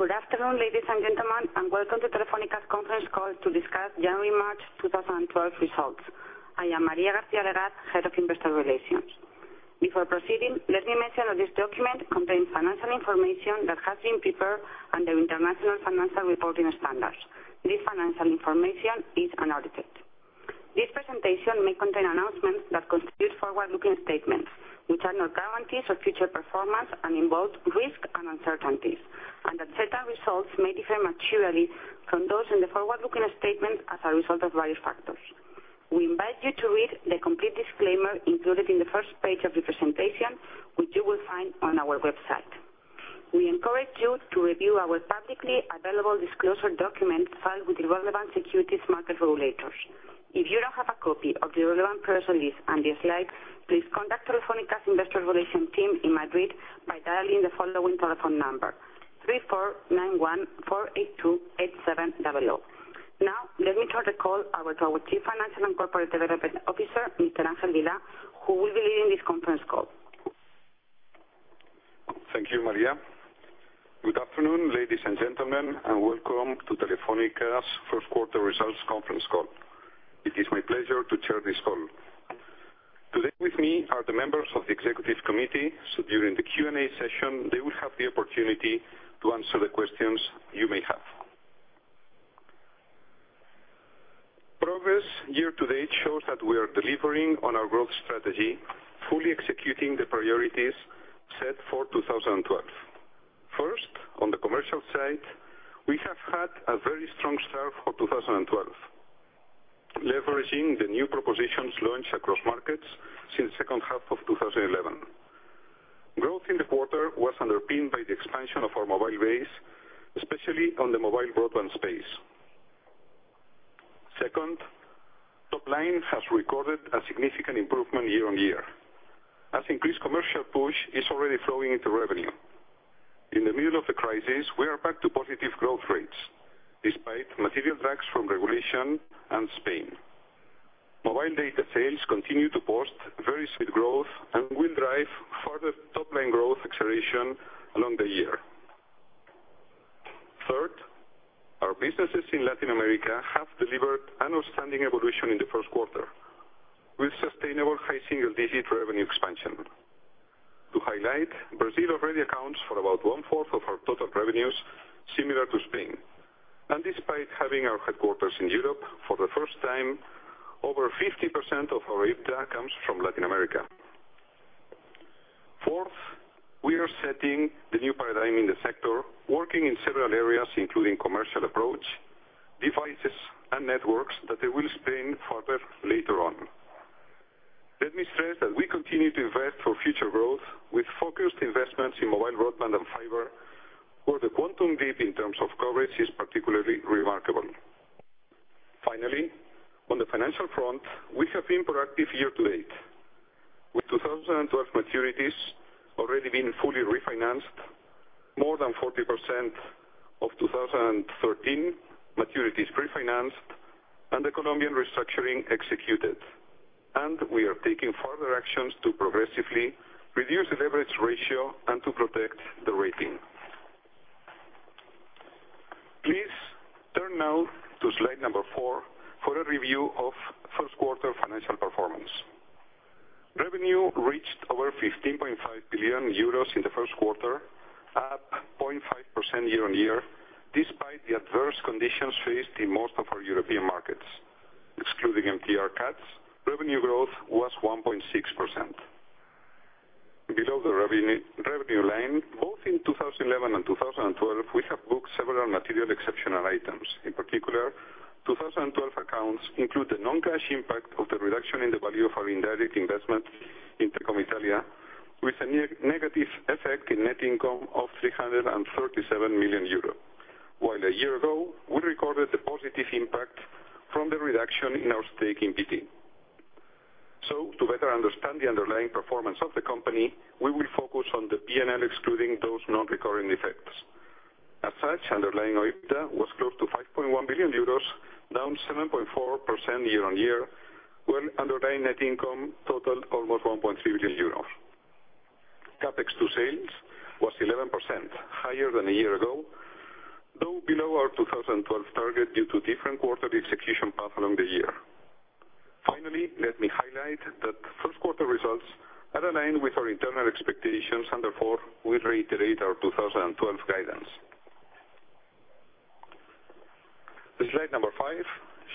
Good afternoon, ladies and gentlemen, and welcome to Telefónica's conference call to discuss January-March 2012 results. I am María García-Garat, Head of Investor Relations. Before proceeding, let me mention that this document contains financial information that has been prepared under International Financial Reporting Standards. This financial information is unaudited. This presentation may contain announcements that constitute forward-looking statements, which are not guarantees of future performance and involve risks and uncertainties, and that certain results may differ materially from those in the forward-looking statement as a result of various factors. We invite you to read the complete disclaimer included in the first page of the presentation, which you will find on our website. We encourage you to review our publicly available disclosure document filed with the relevant securities market regulators. If you don't have a copy of the relevant press release and the slides, please contact Telefónica's Investor Relations team in Madrid by dialing the following telephone number, 34 91 482 8700. Let me turn the call over to our Chief Financial and Corporate Development Officer, Mr. Ángel Vilá, who will be leading this conference call. Thank you, María. Good afternoon, ladies and gentlemen, and welcome to Telefónica's first quarter results conference call. It is my pleasure to chair this call. Today with me are the members of the executive committee, so during the Q&A session, they will have the opportunity to answer the questions you may have. Progress year-to-date shows that we are delivering on our growth strategy, fully executing the priorities set for 2012. First, on the commercial side, we have had a very strong start for 2012, leveraging the new propositions launched across markets since the second half of 2011. Growth in the quarter was underpinned by the expansion of our mobile base, especially on the mobile broadband space. Second, top line has recorded a significant improvement year-on-year, as increased commercial push is already flowing into revenue. In the middle of the crisis, we are back to positive growth rates, despite material drags from regulation and Spain. Mobile data sales continue to post very smooth growth and will drive further top-line growth acceleration along the year. Third, our businesses in Latin America have delivered an outstanding evolution in the first quarter, with sustainable high single-digit revenue expansion. To highlight, Brazil already accounts for about one-fourth of our total revenues, similar to Spain. Despite having our headquarters in Europe, for the first time, over 50% of our EBITDA comes from Latin America. Fourth, we are setting the new paradigm in the sector, working in several areas, including commercial approach, devices, and networks that I will explain further later on. Let me stress that we continue to invest for future growth with focused investments in mobile broadband and fiber, where the quantum leap in terms of coverage is particularly remarkable. Finally, on the financial front, we have been proactive year-to-date. With 2012 maturities already been fully refinanced, more than 40% of 2013 maturities pre-financed, and the Colombian restructuring executed. We are taking further actions to progressively reduce the leverage ratio and to protect the rating. Please turn now to slide number four for a review of first quarter financial performance. Revenue reached over 15.5 billion euros in the first quarter, up 0.5% year-on-year, despite the adverse conditions faced in most of our European markets. Excluding MTR cuts, revenue growth was 1.6%. Below the revenue line, both in 2011 and 2012, we have booked several material exceptional items. In particular, 2012 accounts include the non-cash impact of the reduction in the value of our indirect investment in Telecom Italia, with a negative effect in net income of 337 million euros. While a year ago, we recorded the positive impact from the reduction in our stake in BT. To better understand the underlying performance of the company, we will focus on the P&L excluding those non-recurring effects. As such, underlying OIBDA was close to 5.1 billion euros, down 7.4% year-on-year, while underlying net income totaled almost 1.3 billion euros. CapEx to sales was 11%, higher than a year ago, though below our 2012 target due to different quarterly execution path along the year. Finally, let me highlight that first quarter results are aligned with our internal expectations, and therefore, we reiterate our 2012 guidance. Slide number five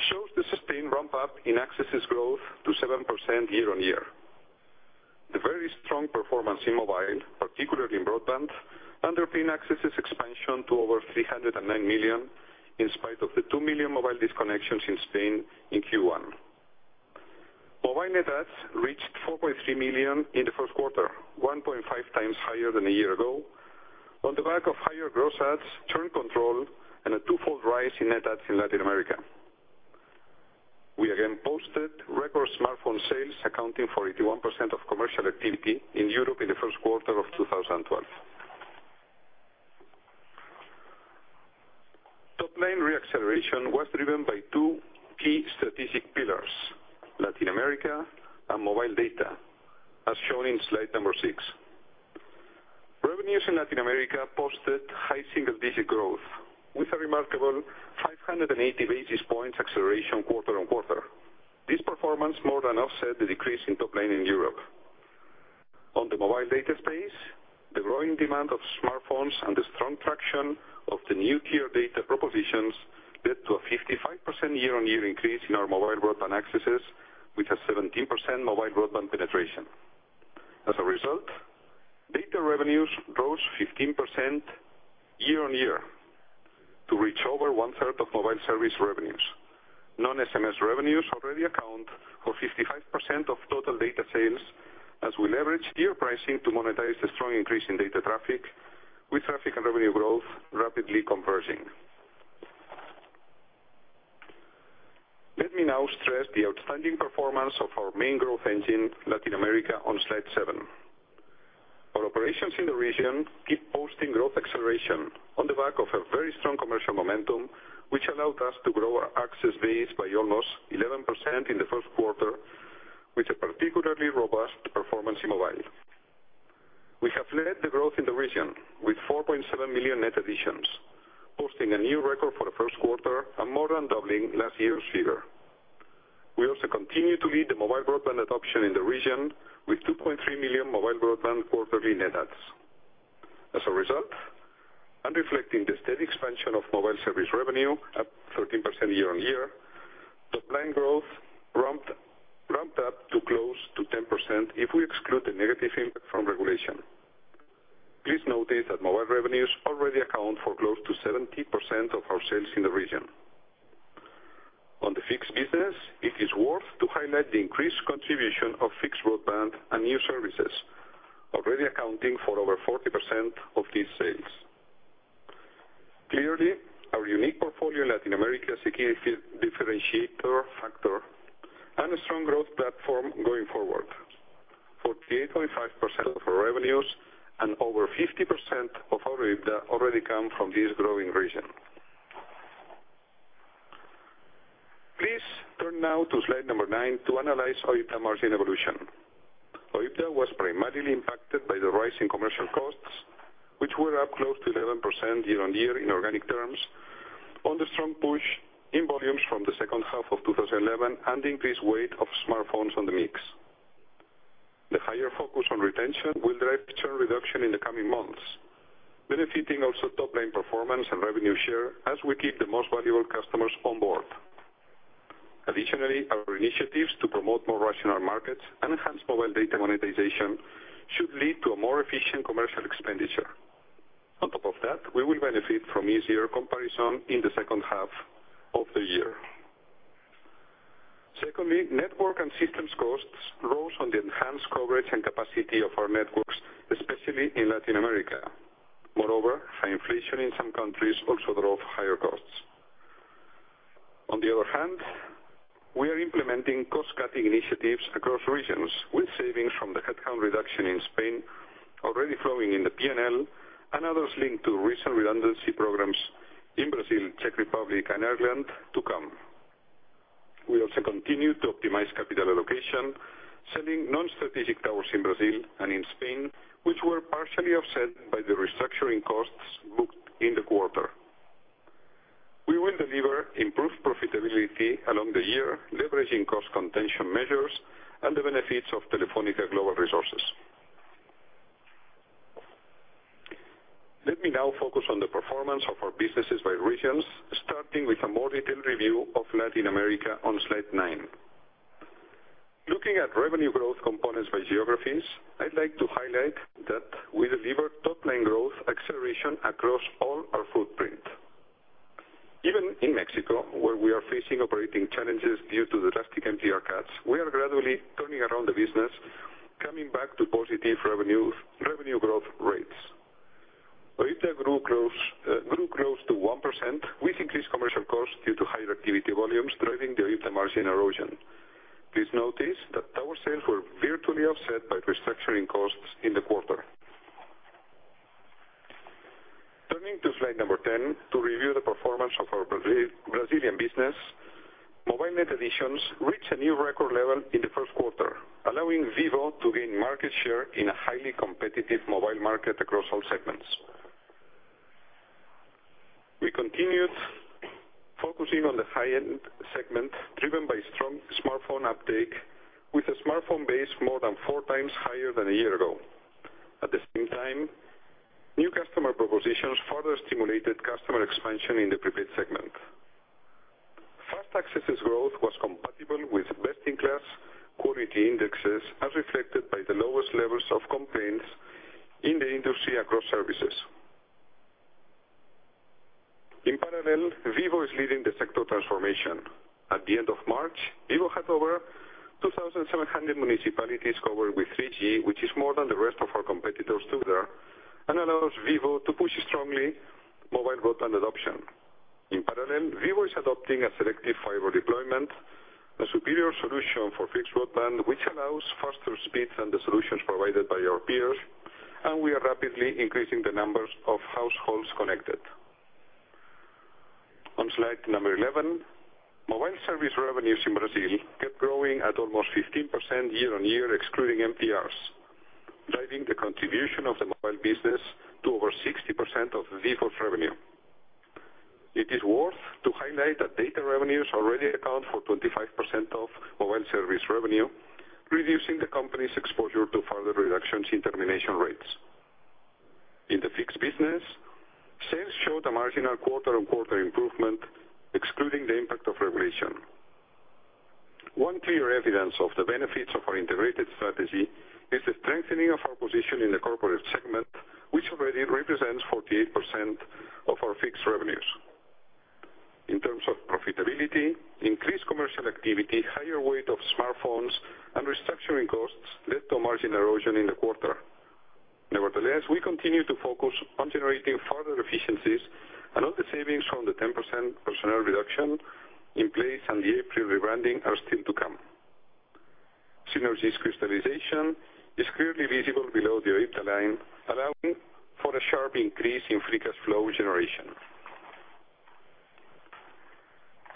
shows the sustained ramp-up in accesses growth to 7% year-on-year. The very strong performance in mobile, particularly in broadband, underpin accesses expansion to over 309 million, in spite of the 2 million mobile disconnections in Spain in Q1. Mobile net adds reached 4.3 million in the first quarter, 1.5 times higher than a year ago, on the back of higher gross adds, churn control, and a twofold rise in net adds in Latin America. We again posted record smartphone sales, accounting for 81% of commercial activity in Europe in the first quarter of 2012. Topline re-acceleration was driven by two key strategic pillars, Latin America and mobile data, as shown in slide number six. Revenues in Latin America posted high single-digit growth with a remarkable 580 basis points acceleration quarter-on-quarter. This performance more than offset the decrease in top line in Europe. On the mobile data space, the growing demand of smartphones and the strong traction of the new tier data propositions led to a 55% year-on-year increase in our mobile broadband accesses, with a 17% mobile broadband penetration. As a result, data revenues rose 15% year-on-year to reach over one-third of mobile service revenues. Non-SMS revenues already account for 55% of total data sales, as we leverage tier pricing to monetize the strong increase in data traffic, with traffic and revenue growth rapidly converging. Let me now stress the outstanding performance of our main growth engine, Latin America, on slide seven. Our operations in the region keep posting growth acceleration on the back of a very strong commercial momentum, which allowed us to grow our access base by almost 11% in the first quarter, with a particularly robust performance in mobile. We have led the growth in the region with 4.7 million net additions, posting a new record for the first quarter and more than doubling last year's figure. We also continue to lead the mobile broadband adoption in the region with 2.3 million mobile broadband quarterly net adds. As a result, and reflecting the steady expansion of mobile service revenue at 13% year-on-year, top line growth ramped up to close to 10% if we exclude the negative impact from regulation. Please notice that mobile revenues already account for close to 70% of our sales in the region. On the fixed business, it is worth to highlight the increased contribution of fixed broadband and new services, already accounting for over 40% of these sales. Clearly, our unique portfolio in Latin America is a key differentiator factor and a strong growth platform going forward. 48.5% of our revenues and over 50% of OIBDA already come from this growing region. Please turn now to slide number nine to analyze OIBDA margin evolution. OIBDA was primarily impacted by the rise in commercial costs, which were up close to 11% year-on-year in organic terms on the strong push in volumes from the second half of 2011 and the increased weight of smartphones on the mix. The higher focus on retention will drive churn reduction in the coming months, benefiting also top-line performance and revenue share as we keep the most valuable customers on board. Additionally, our initiatives to promote more rational markets, enhanced mobile data monetization should lead to a more efficient commercial expenditure. On top of that, we will benefit from easier comparison in the second half of the year. Secondly, network and systems costs rose on the enhanced coverage and capacity of our networks, especially in Latin America. Moreover, high inflation in some countries also drove higher costs. On the other hand, we are implementing cost-cutting initiatives across regions with savings from the headcount reduction in Spain already flowing in the P&L and others linked to recent redundancy programs in Brazil, Czech Republic, and Ireland to come. We also continue to optimize capital allocation, selling non-strategic towers in Brazil and in Spain, which were partially offset by the restructuring costs booked in the quarter. We will deliver improved profitability along the year, leveraging cost contention measures and the benefits of Telefónica Global Solutions. Let me now focus on the performance of our businesses by regions, starting with a more detailed review of Latin America on slide nine. Looking at revenue growth components by geographies, I'd like to highlight that we delivered top-line growth acceleration across all our footprint. Even in Mexico, where we are facing operating challenges due to the drastic MTR cuts, we are gradually turning around the business, coming back to positive revenue growth rates. OIBDA grew close to 1% with increased commercial costs due to higher activity volumes driving the OIBDA margin erosion. Please notice that our sales were virtually offset by restructuring costs in the quarter. Turning to slide number 10 to review the performance of our Brazilian business. Mobile net additions reached a new record level in the first quarter, allowing Vivo to gain market share in a highly competitive mobile market across all segments. We continued focusing on the high-end segment, driven by strong smartphone uptake with a smartphone base more than four times higher than a year ago. At the same time, new customer propositions further stimulated customer expansion in the prepaid segment. Fast access growth was compatible with best-in-class quality indexes, as reflected by the lowest levels of complaints in the industry across services. In parallel, Vivo is leading the sector transformation. At the end of March, Vivo had over 2,700 municipalities covered with 3G, which is more than the rest of our competitors together and allows Vivo to push strongly mobile broadband adoption. In parallel, Vivo is adopting a selective fiber deployment, a superior solution for fixed broadband, which allows faster speeds than the solutions provided by our peers. We are rapidly increasing the numbers of households connected. On slide number 11, mobile service revenues in Brazil kept growing at almost 15% year-on-year, excluding MTRs, driving the contribution of the mobile business to over 60% of Vivo's revenue. It is worth to highlight that data revenues already account for 25% of mobile service revenue, reducing the company's exposure to further reductions in termination rates. In the fixed business, sales showed a marginal quarter-on-quarter improvement, excluding the impact of regulation. One clear evidence of the benefits of our integrated strategy is the strengthening of our position in the corporate segment, which already represents 48% of our fixed revenues. In terms of profitability, increased commercial activity, higher weight of smartphones, and restructuring costs led to margin erosion in the quarter. Nevertheless, we continue to focus on generating further efficiencies and on the savings from the 10% personnel reduction in place and the April rebranding are still to come. Synergies crystallization is clearly visible below the EBITDA line, allowing for a sharp increase in free cash flow generation.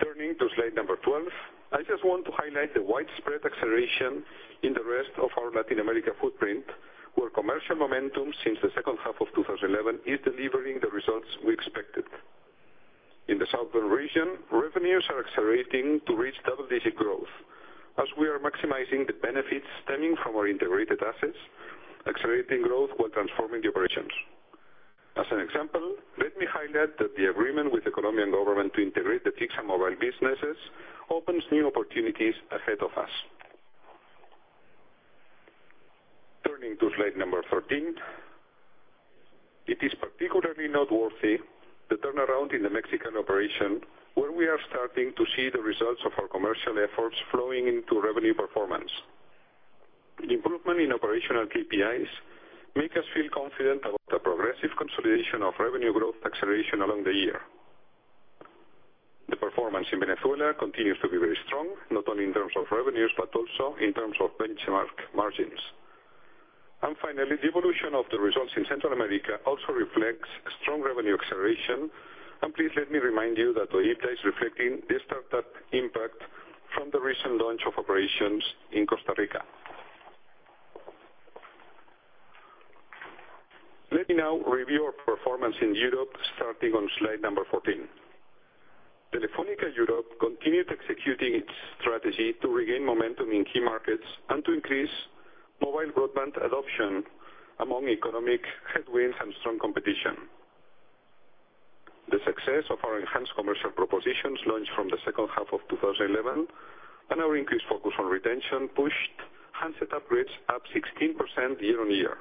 Turning to slide number 12, I just want to highlight the widespread acceleration in the rest of our Latin America footprint, where commercial momentum since the second half of 2011 is delivering the results we expected. In the southern region, revenues are accelerating to reach double-digit growth as we are maximizing the benefits stemming from our integrated assets, accelerating growth while transforming the operations. As an example, let me highlight that the agreement with the Colombian government to integrate the fixed and mobile businesses opens new opportunities ahead of us. Turning to slide number 13. It is particularly noteworthy the turnaround in the Mexican operation, where we are starting to see the results of our commercial efforts flowing into revenue performance. The improvement in operational KPIs make us feel confident about the progressive consolidation of revenue growth acceleration along the year. The performance in Venezuela continues to be very strong, not only in terms of revenues, but also in terms of benchmark margins. Finally, the evolution of the results in Central America also reflects a strong revenue acceleration, and please let me remind you that the EBITDA is reflecting the startup impact from the recent launch of operations in Costa Rica. Let me now review our performance in Europe, starting on slide number 14. Telefónica Europe continued executing its strategy to regain momentum in key markets and to increase mobile broadband adoption among economic headwinds and strong competition. The success of our enhanced commercial propositions launched from the second half of 2011 and our increased focus on retention pushed handset upgrades up 16% year-on-year.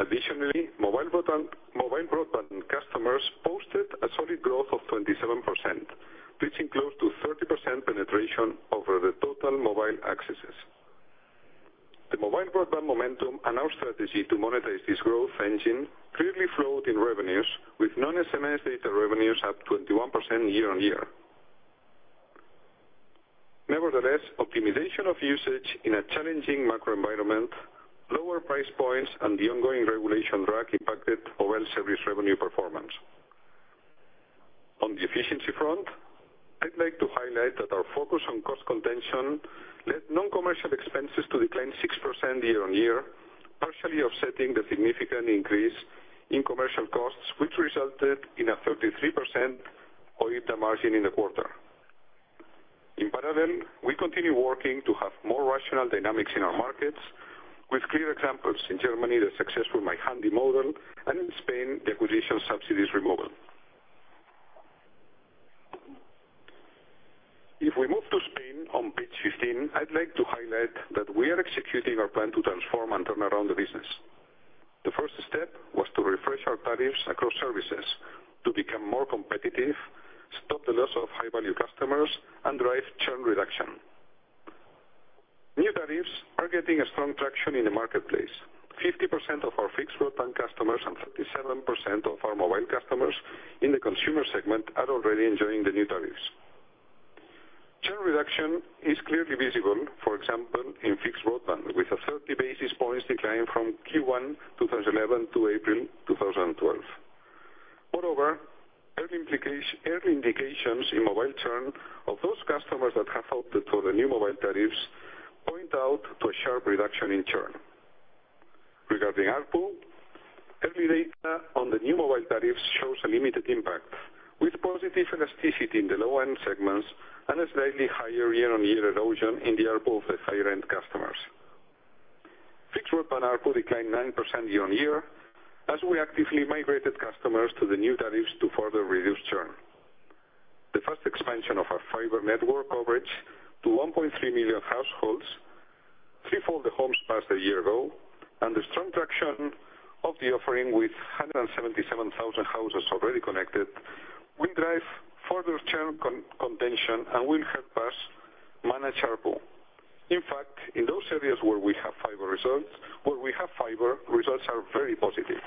Additionally, mobile broadband customers posted a solid growth of 27%, reaching close to 30% penetration over the total mobile accesses. The mobile broadband momentum and our strategy to monetize this growth engine clearly flowed in revenues with non-SMS data revenues up 21% year on year. Nevertheless, optimization of usage in a challenging macro environment, lower price points, and the ongoing regulation drag impacted mobile service revenue performance. On the efficiency front, I'd like to highlight that our focus on cost contention led non-commercial expenses to decline 6% year on year, partially offsetting the significant increase in commercial costs, which resulted in a 33% OIBDA margin in the quarter. In parallel, we continue working to have more rational dynamics in our markets with clear examples. In Germany, the success with O2 My Handy model, and in Spain, the acquisition subsidies removal. If we move to Spain on page 15, I'd like to highlight that we are executing our plan to transform and turn around the business. The first step was to refresh our tariffs across services to become more competitive, stop the loss of high-value customers, and drive churn reduction. New tariffs are getting a strong traction in the marketplace. 50% of our fixed broadband customers and 37% of our mobile customers in the consumer segment are already enjoying the new tariffs. Churn reduction is clearly visible, for example, in fixed broadband, with a 30 basis points decline from Q1 2011 to April 2012. Moreover, early indications in mobile churn of those customers that have opted for the new mobile tariffs point out to a sharp reduction in churn. Regarding ARPU, early data on the new mobile tariffs shows a limited impact, with positive elasticity in the low-end segments and a slightly higher year on year erosion in the ARPU of the higher-end customers. Fixed broadband ARPU declined 9% year on year as we actively migrated customers to the new tariffs to further reduce churn. The first expansion of our fiber network coverage to 1.3 million households, threefold the homes passed a year ago, and the strong traction of the offering with 177,000 houses already connected will drive further churn contention and will help us manage ARPU. In fact, in those areas where we have fiber, results are very positive.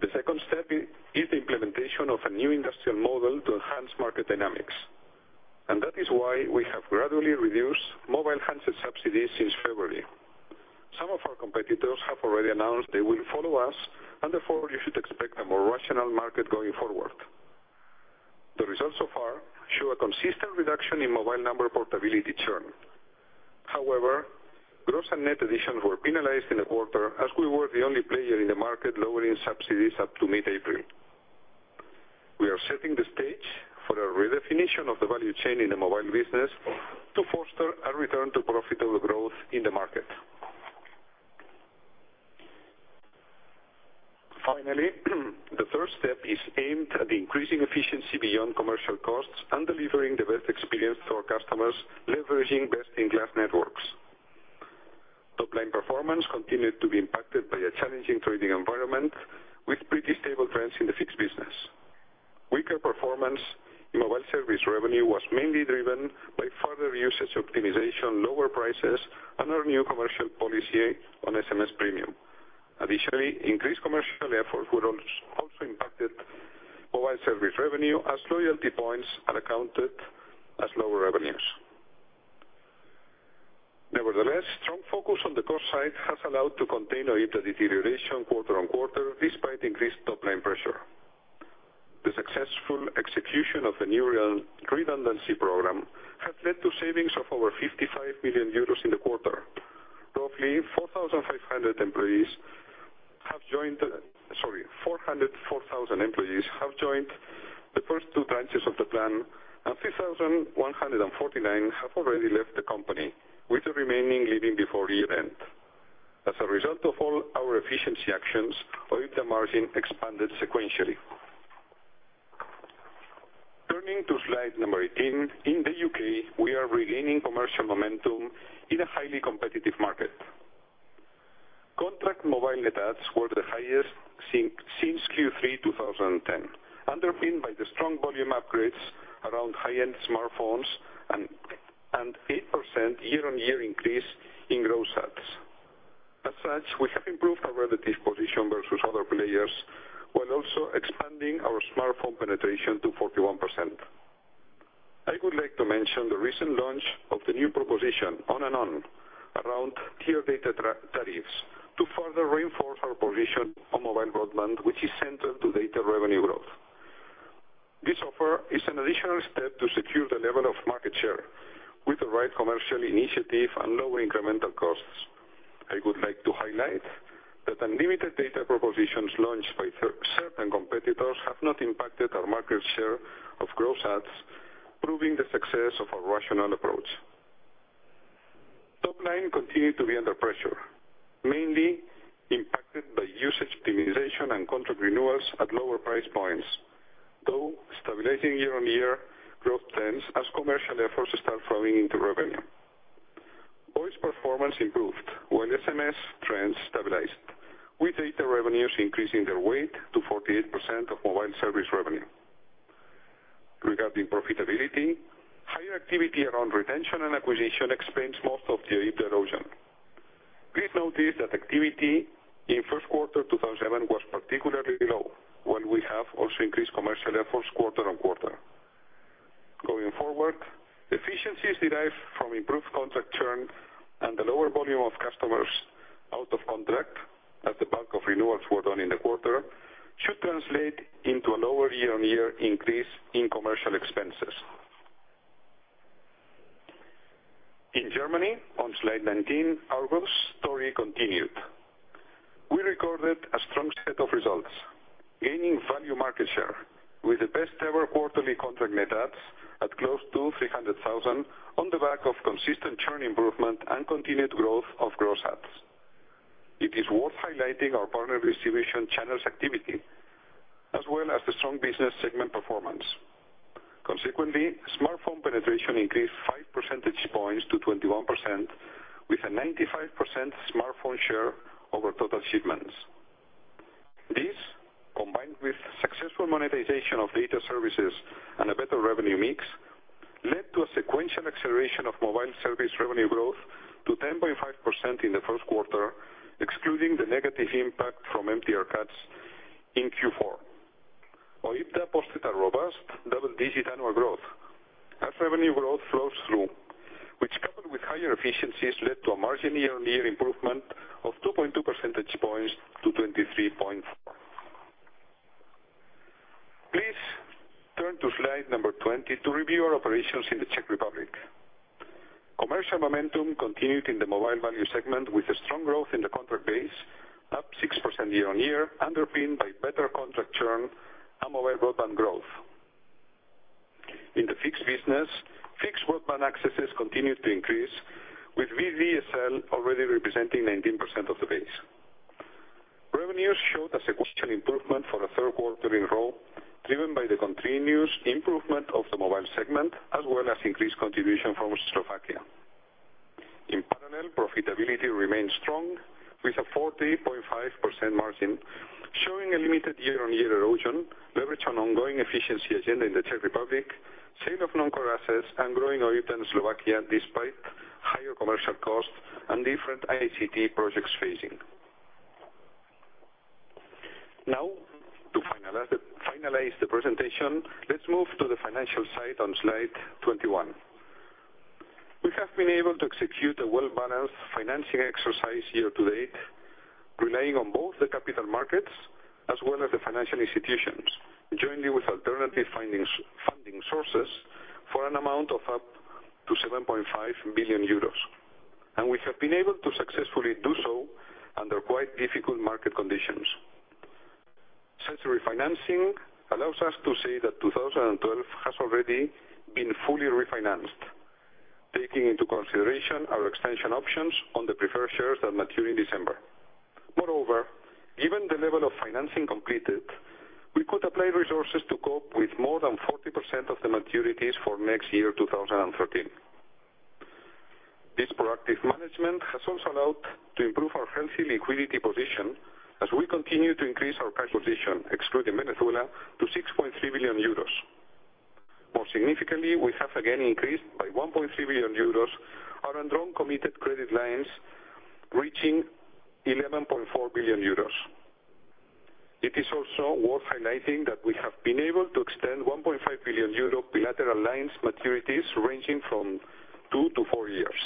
The second step is the implementation of a new industrial model to enhance market dynamics. That is why we have gradually reduced mobile handset subsidies since February. Some of our competitors have already announced they will follow us, therefore you should expect a more rational market going forward. The results so far show a consistent reduction in mobile number portability churn. However, gross and net additions were penalized in the quarter as we were the only player in the market lowering subsidies up to mid-April. We are setting the stage for a redefinition of the value chain in the mobile business to foster a return to profitable growth in the market. Finally, the third step is aimed at increasing efficiency beyond commercial costs and delivering the best experience to our customers, leveraging best-in-class networks. Top-line performance continued to be impacted by a challenging trading environment, with pretty stable trends in the fixed business. Weaker performance in mobile service revenue was mainly driven by further usage optimization, lower prices, and our new commercial policy on SMS premium. Additionally, increased commercial efforts were also impacted by mobile service revenue, as loyalty points are accounted as lower revenues. Nevertheless, strong focus on the cost side has allowed to contain OIBDA deterioration quarter-on-quarter, despite increased top-line pressure. The successful execution of the new redundancy program has led to savings of over 55 million euros in the quarter. 404,000 employees have joined the first two tranches of the plan, and 3,149 have already left the company, with the remaining leaving before year-end. As a result of all our efficiency actions, OIBDA margin expanded sequentially. Turning to slide number 18, in the U.K., we are regaining commercial momentum in a highly competitive market. Contract mobile net adds were the highest since Q3 2010, underpinned by the strong volume upgrades around high-end smartphones and 8% year-on-year increase in gross adds. As such, we have improved our relative position versus other players, while also expanding our smartphone penetration to 41%. I would like to mention the recent launch of the new proposition On and On around tier data tariffs to further reinforce our position on mobile broadband, which is central to data revenue growth. This offer is an additional step to secure the level of market share with the right commercial initiative and lower incremental costs. I would like to highlight that unlimited data propositions launched by certain competitors have not impacted our market share of gross adds, proving the success of our rational approach. Top line continued to be under pressure, mainly impacted by usage optimization and contract renewals at lower price points, though stabilizing year-on-year growth trends as commercial efforts start flowing into revenue. Voice performance improved while SMS trends stabilized, with data revenues increasing their weight to 48% of mobile service revenue. Regarding profitability, higher activity around retention and acquisition explains most of the OIBDA erosion. Please notice that activity in first quarter 2011 was particularly low, while we have also increased commercial efforts quarter-on-quarter. Going forward, efficiencies derived from improved contract churn and the lower volume of customers out of contract as the bulk of renewals were done in the quarter, should translate into a lower year-on-year increase in commercial expenses. In Germany, on slide 19, our growth story continued. We recorded a strong set of results, gaining value market share with the best-ever quarterly contract net adds at close to 300,000 on the back of consistent churn improvement and continued growth of gross adds. It is worth highlighting our partner distribution channels activity, as well as the strong business segment performance. Consequently, smartphone penetration increased five percentage points to 21%, with a 95% smartphone share over total shipments. This, combined with successful monetization of data services and a better revenue mix, led to a sequential acceleration of mobile service revenue growth to 10.5% in the first quarter, excluding the negative impact from MTR cuts in Q4. OIBDA posted a robust double-digit annual growth as revenue growth flows through, which, coupled with higher efficiencies, led to a margin year-on-year improvement of 2.2 percentage points to 23.4%. Please turn to slide number 20 to review our operations in the Czech Republic. Commercial momentum continued in the mobile value segment with a strong growth in the contract base, up 6% year-on-year, underpinned by better contract churn and mobile broadband growth. In the fixed business, fixed broadband accesses continued to increase, with VDSL already representing 19% of the base. Revenues showed a sequential improvement for a third quarter in a row, driven by the continuous improvement of the mobile segment, as well as increased contribution from Slovakia. In parallel, profitability remains strong with a 40.5% margin, showing a limited year-on-year erosion leveraged on ongoing efficiency agenda in the Czech Republic, sale of non-core assets, and growing OIBDA in Slovakia despite higher commercial costs and different ICT projects phasing. To finalize the presentation, let's move to the financial side on slide 21. We have been able to execute a well-balanced financing exercise year to date, relying on both the capital markets as well as the financial institutions, jointly with alternative funding sources for an amount of up to 7.5 billion euros. We have been able to successfully do so under quite difficult market conditions. Such refinancing allows us to say that 2012 has already been fully refinanced, taking into consideration our extension options on the preferred shares that mature in December. Moreover, given the level of financing completed, we could apply resources to cope with more than 40% of the maturities for next year, 2013. This proactive management has also allowed to improve our healthy liquidity position as we continue to increase our cash position, excluding Venezuela, to 6.3 billion euros. More significantly, we have again increased by 1.3 billion euros our undrawn committed credit lines, reaching 11.4 billion euros. It is also worth highlighting that we have been able to extend 1.5 billion euro bilateral lines maturities ranging from two to four years.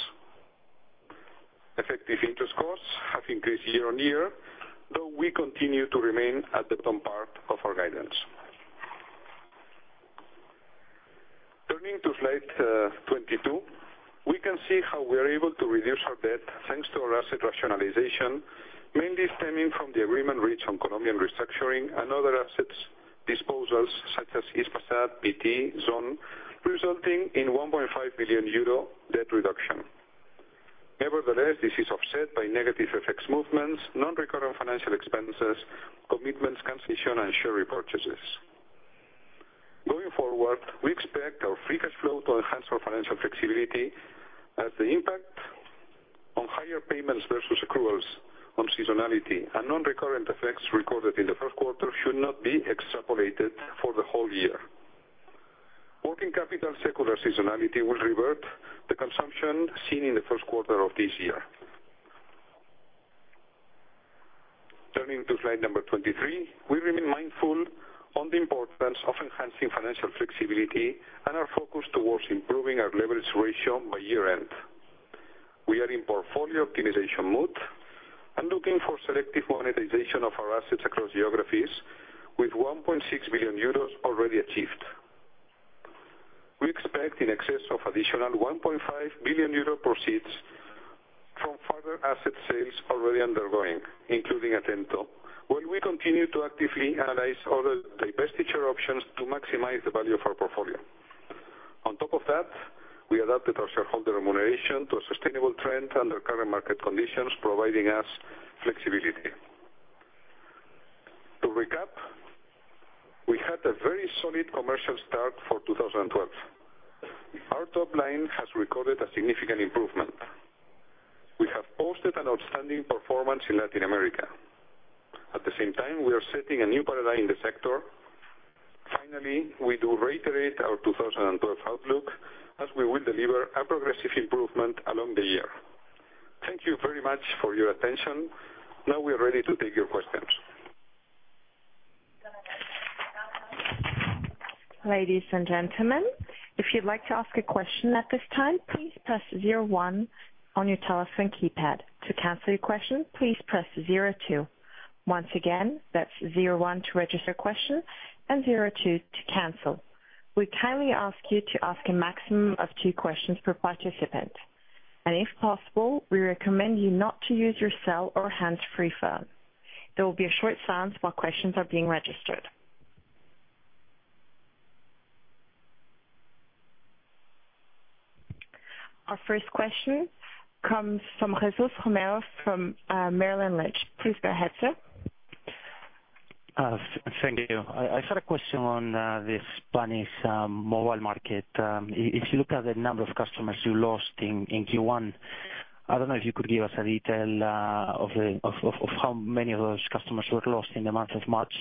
Effective interest costs have increased year-on-year, though we continue to remain at the bottom part of our guidance. Turning to slide 22, we can see how we are able to reduce our debt thanks to our asset rationalization, mainly stemming from the agreement reached on Colombian restructuring and other assets disposals such as Hispasat, BT, Zon, resulting in 1.5 billion euro debt reduction. Nevertheless, this is offset by negative FX movements, non-recurrent financial expenses, commitments cancellation, and share repurchases. Going forward, we expect our free cash flow to enhance our financial flexibility as the impact on higher payments versus accruals on seasonality and non-recurrent effects recorded in the first quarter should not be extrapolated for the whole year. Working capital secular seasonality will revert the consumption seen in the first quarter of this year. Turning to slide number 23, we remain mindful on the importance of enhancing financial flexibility and our focus towards improving our leverage ratio by year-end. We are in portfolio optimization mode and looking for selective monetization of our assets across geographies with 1.6 billion euros already achieved. We expect in excess of additional 1.5 billion euro proceeds from further asset sales already undergoing, including Atento, while we continue to actively analyze other divestiture options to maximize the value of our portfolio. On top of that, we adapted our shareholder remuneration to a sustainable trend under current market conditions, providing us flexibility. To recap, we had a very solid commercial start for 2012. Our top line has recorded a significant improvement. We have posted an outstanding performance in Latin America. At the same time, we are setting a new paradigm in the sector. Finally, we do reiterate our 2012 outlook as we will deliver a progressive improvement along the year. Thank you very much for your attention. Now we are ready to take your questions. Ladies and gentlemen, if you would like to ask a question at this time, please press 01 on your telephone keypad. To cancel your question, please press 02. Once again, that is 01 to register question and 02 to cancel. We kindly ask you to ask a maximum of two questions per participant. If possible, we recommend you not to use your cell or hands-free phone. There will be a short silence while questions are being registered. Our first question comes from Jesús Romero from Merrill Lynch. Please go ahead, sir. Thank you. I had a question on the Spanish mobile market. If you look at the number of customers you lost in Q1, I do not know if you could give us a detail of how many of those customers were lost in the month of March.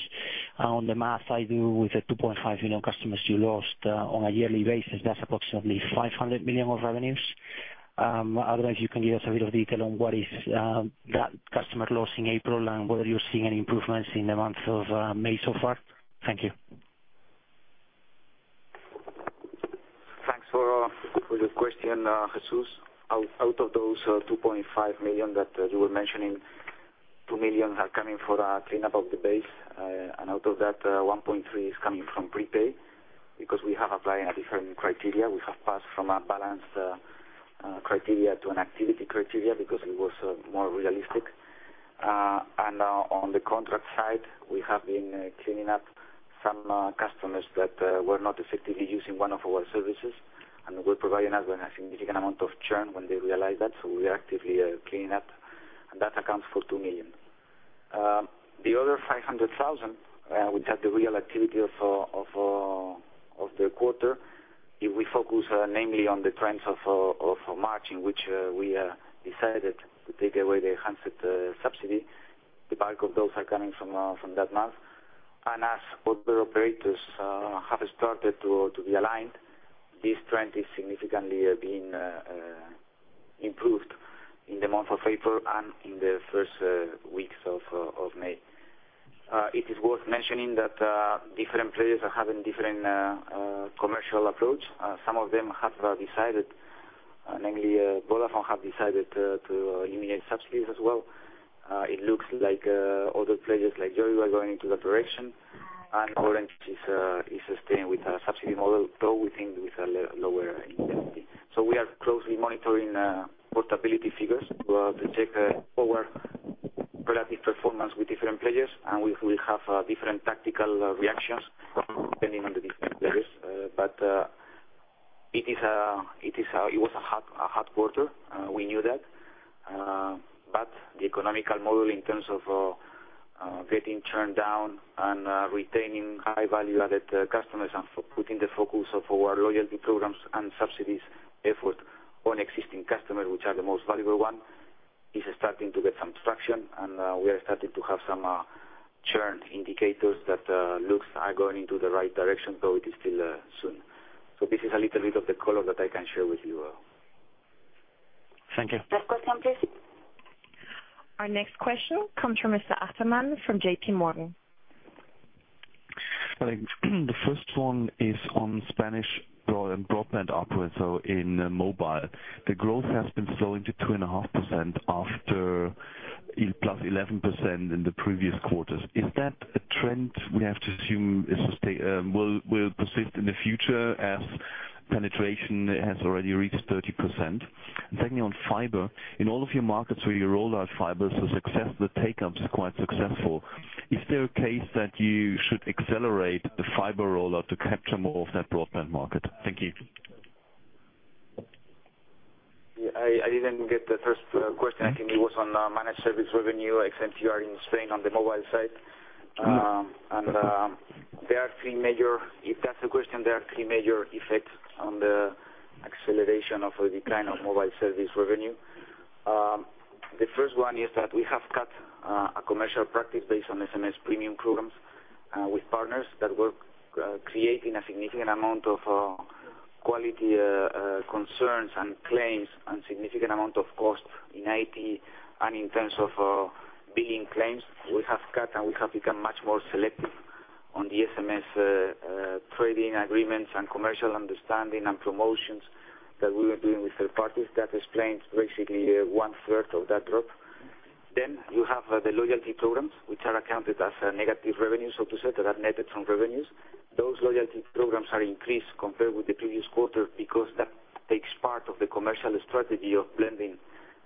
On the math I do with the 2.5 million customers you lost on a yearly basis, that is approximately 500 million of revenues. Otherwise, you can give us a bit of detail on what is that customer loss in April and whether you are seeing any improvements in the month of May so far. Thank you. Thanks for the question, Jesús. Out of those 2.5 million that you were mentioning, 2 million are coming for a clean-up of the base. Out of that, 1.3 is coming from prepaid because we have applied a different criteria. We have passed from a balance criteria to an activity criteria because it was more realistic. On the contract side, we have been cleaning up some customers that were not effectively using one of our services, and we are providing a significant amount of churn when they realize that. We are actively cleaning up, and that accounts for 2 million. The other 500,000, which had the real activity of the quarter, if we focus namely on the trends of March in which we decided to take away the handset subsidy, the bulk of those are coming from that month. As other operators have started to be aligned, this trend is significantly being improved in the month of April and in the first weeks of May. It is worth mentioning that different players are having different commercial approach. Some of them have decided, namely Vodafone, have decided to eliminate subsidies as well. It looks like other players like Yoigo are going into that direction. Orange is staying with a subsidy model, though we think with a lower intensity. We are closely monitoring portability figures to check our relative performance with different players, and we have different tactical reactions depending on the different players. It was a hard quarter. We knew that. The economical model in terms of getting churn down and retaining high value-added customers and putting the focus of our loyalty programs and subsidies effort on existing customers, which are the most valuable ones, is starting to get some traction, and we are starting to have some churn indicators that looks are going into the right direction, though it is still soon. This is a little bit of the color that I can share with you. Thank you. Next question, please. Our next question comes from Mr. Ataman from JPMorgan. The first one is on Spanish broadband ARPU. In mobile, the growth has been slowing to 2.5% after +11% in the previous quarters. Is that a trend we have to assume will persist in the future as penetration has already reached 30%? Secondly, on fiber, in all of your markets where you rolled out fiber, the take-up is quite successful. Is there a case that you should accelerate the fiber rollout to capture more of that broadband market? Thank you. Yeah, I didn't get the first question. I think it was on managed service revenue, ex-MTR in Spain on the mobile side. If that's the question, there are three major effects on the acceleration of the decline of mobile service revenue. The first one is that we have cut a commercial practice based on SMS premium programs with partners that were creating a significant amount of quality concerns and claims and significant amount of cost in IT and in terms of billing claims. We have cut, and we have become much more selective on the SMS trading agreements and commercial understanding and promotions that we were doing with third parties. That explains basically one-third of that drop. You have the loyalty programs, which are accounted as a negative revenue, so to say, that are netted from revenues. Those loyalty programs are increased compared with the previous quarter because that takes part of the commercial strategy of blending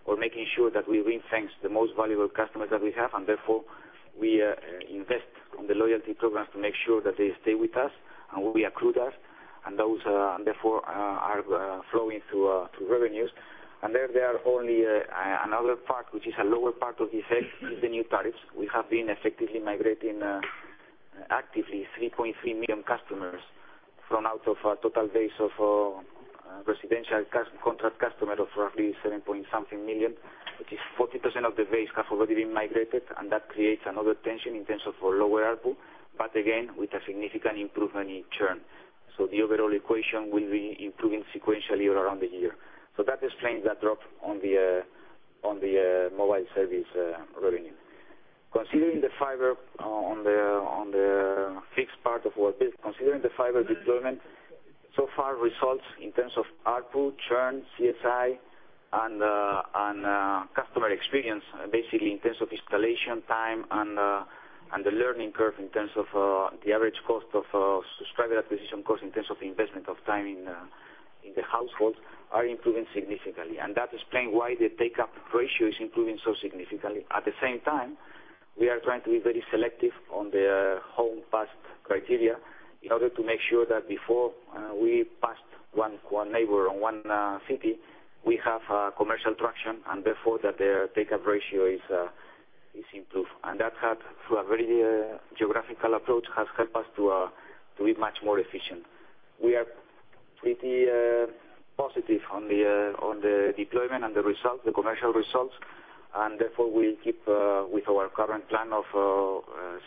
or making sure that we rethink the most valuable customers that we have, and therefore, we invest on the loyalty programs to make sure that they stay with us and we accrue that, and those, therefore, are flowing through revenues. There are only another part, which is a lower part of the effect, is the new tariffs. We have been effectively migrating actively 3.3 million customers from out of a total base of residential contract customers of roughly seven-point-something million. Which is 40% of the base has already been migrated, and that creates another tension in terms of lower ARPU, but again, with a significant improvement in churn. The overall equation will be improving sequentially around the year. That explains that drop on the mobile service revenue. Considering the fiber on the fixed part of our business, considering the fiber deployment, so far results in terms of ARPU, churn, CSI, and customer experience, basically in terms of installation time and the learning curve in terms of the average cost of subscriber acquisition cost in terms of investment of time in the households are improving significantly. That explains why the take-up ratio is improving so significantly. At the same time, we are trying to be very selective on the home passed criteria in order to make sure that before we passed one neighbor or one city, we have commercial traction, and therefore, that the take-up ratio is improved. That, through a very geographical approach, has helped us to be much more efficient. We are pretty positive on the deployment and the results, the commercial results, and therefore, we'll keep with our current plan of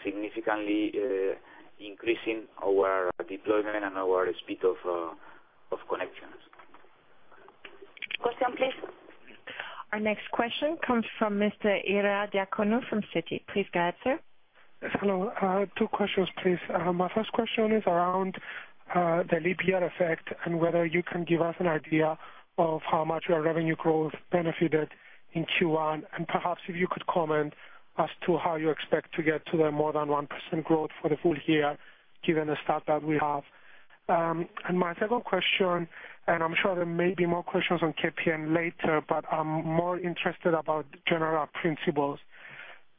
significantly increasing our deployment and our speed of connections. Next question, please. Our next question comes from Mr. Ierodiaconou from Citi. Please go ahead, sir. Hello. I have two questions, please. My first question is around the leap year effect and whether you can give us an idea of how much your revenue growth benefited in Q1, and perhaps if you could comment as to how you expect to get to the more than 1% growth for the full year given the start that we have. My second question, and I'm sure there may be more questions on KPN later, but I'm more interested about general principles.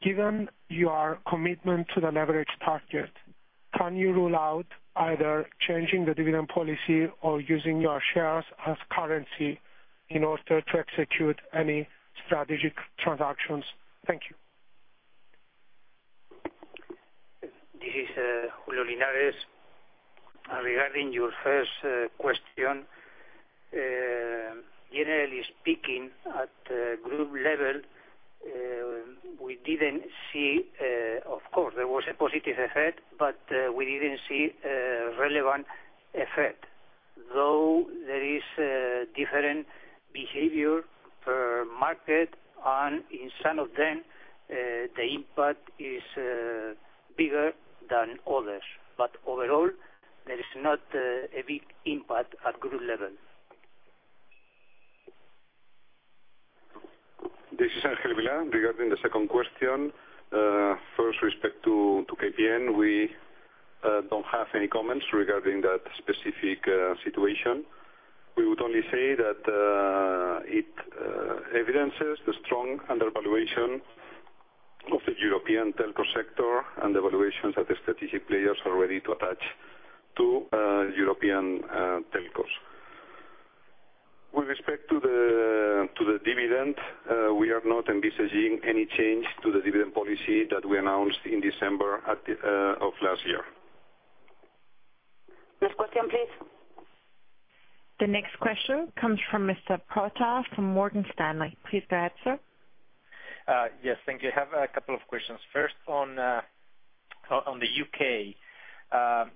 Given your commitment to the leverage target, can you rule out either changing the dividend policy or using your shares as currency in order to execute any strategic transactions? Thank you. This is Julio Linares. Regarding your first question, generally speaking, at group level, of course, there was a positive effect, we didn't see a relevant effect, though there is different behavior per market and in some of them, the impact is bigger than others. Overall, there is not a big impact at group level. This is Ángel Vilá. Regarding the second question, first, with respect to KPN, we don't have any comments regarding that specific situation. We would only say that it evidences the strong undervaluation of the European telco sector and the valuations that the strategic players are ready to attach to European telcos. With respect to the dividend, we are not envisaging any change to the dividend policy that we announced in December of last year. Next question, please. The next question comes from Mr. Prota from Morgan Stanley. Please go ahead, sir. Yes. Thank you. I have a couple of questions. First, on the U.K.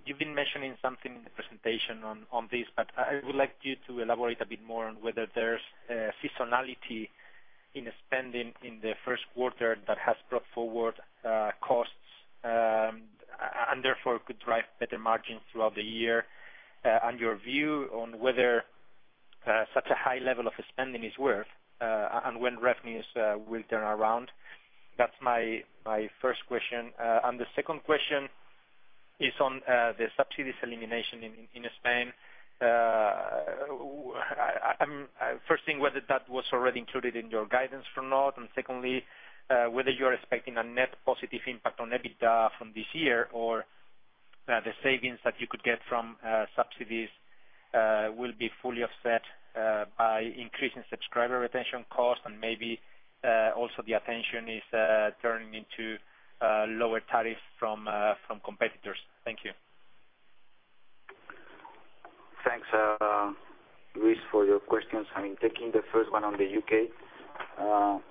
You've been mentioning something in the presentation on this, but I would like you to elaborate a bit more on whether there's seasonality in spending in the first quarter that has brought forward costs, and therefore could drive better margins throughout the year. Your view on whether such a high level of spending is worth, and when revenues will turn around. That's my first question. The second question is on the subsidies elimination in Spain. First, whether that was already included in your guidance or not, and secondly, whether you're expecting a net positive impact on EBITDA from this year, or the savings that you could get from subsidies will be fully offset by increasing subscriber retention costs and maybe, also the attention is turning into lower tariff from competitors. Thank you. Thanks, Luis, for your questions. Taking the first one on the U.K., and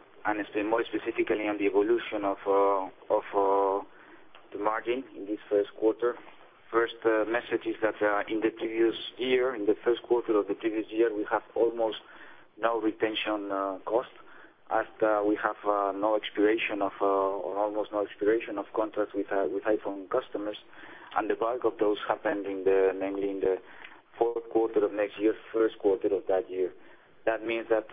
more specifically on the evolution of the margin in this first quarter. First message is that in the previous year, in the first quarter of the previous year, we have almost no retention cost as we have almost no expiration of contracts with iPhone customers, and the bulk of those happened mainly in the fourth quarter of next year, first quarter of that year. That means that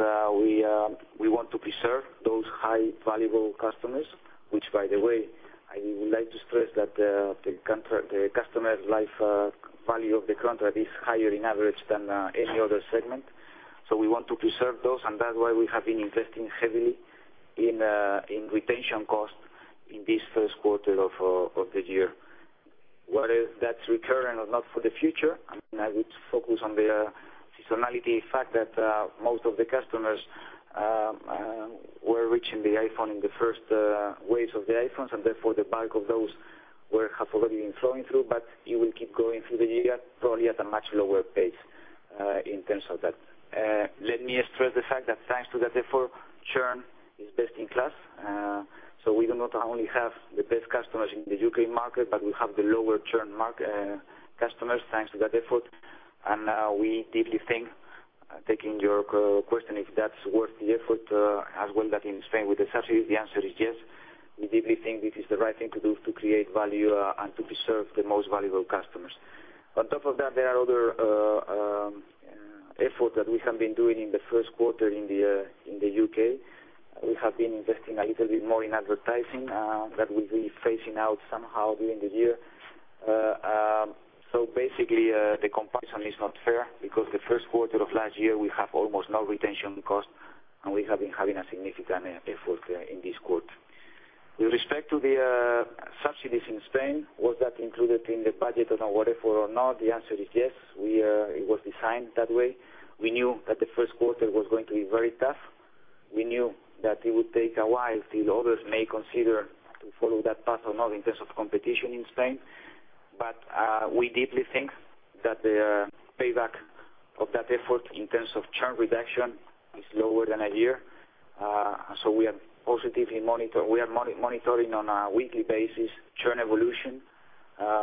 we want to preserve those high valuable customers, which, by the way, I would like to stress that the customer life value of the contract is higher in average than any other segment. We want to preserve those, and that's why we have been investing heavily in retention costs in this first quarter of the year. Whether that's recurring or not for the future, I would focus on the seasonality effect that most of the customers were reaching the iPhone in the first waves of the iPhones, and therefore the bulk of those have already been flowing through, but you will keep going through the year, probably at a much lower pace in terms of that. Let me stress the fact that thanks to that effort, churn is best in class. We do not only have the best customers in the U.K. market, but we have the lower churn customers thanks to that effort. We deeply think, taking your question, if that's worth the effort, as well that in Spain with the subsidies, the answer is yes. We deeply think this is the right thing to do to create value and to preserve the most valuable customers. On top of that, there are other effort that we have been doing in the first quarter in the U.K. We have been investing a little bit more in advertising, that will be phasing out somehow during the year. Basically, the comparison is not fair because the first quarter of last year, we have almost no retention cost, and we have been having a significant effort in this quarter. With respect to the subsidies in Spain, was that included in the budget and our whatever or not? The answer is yes. It was designed that way. We knew that the first quarter was going to be very tough. We knew that it would take a while till others may consider to follow that path or not in terms of competition in Spain. We deeply think that the payback of that effort in terms of churn reduction is lower than a year. We are positively monitoring on a weekly basis churn evolution,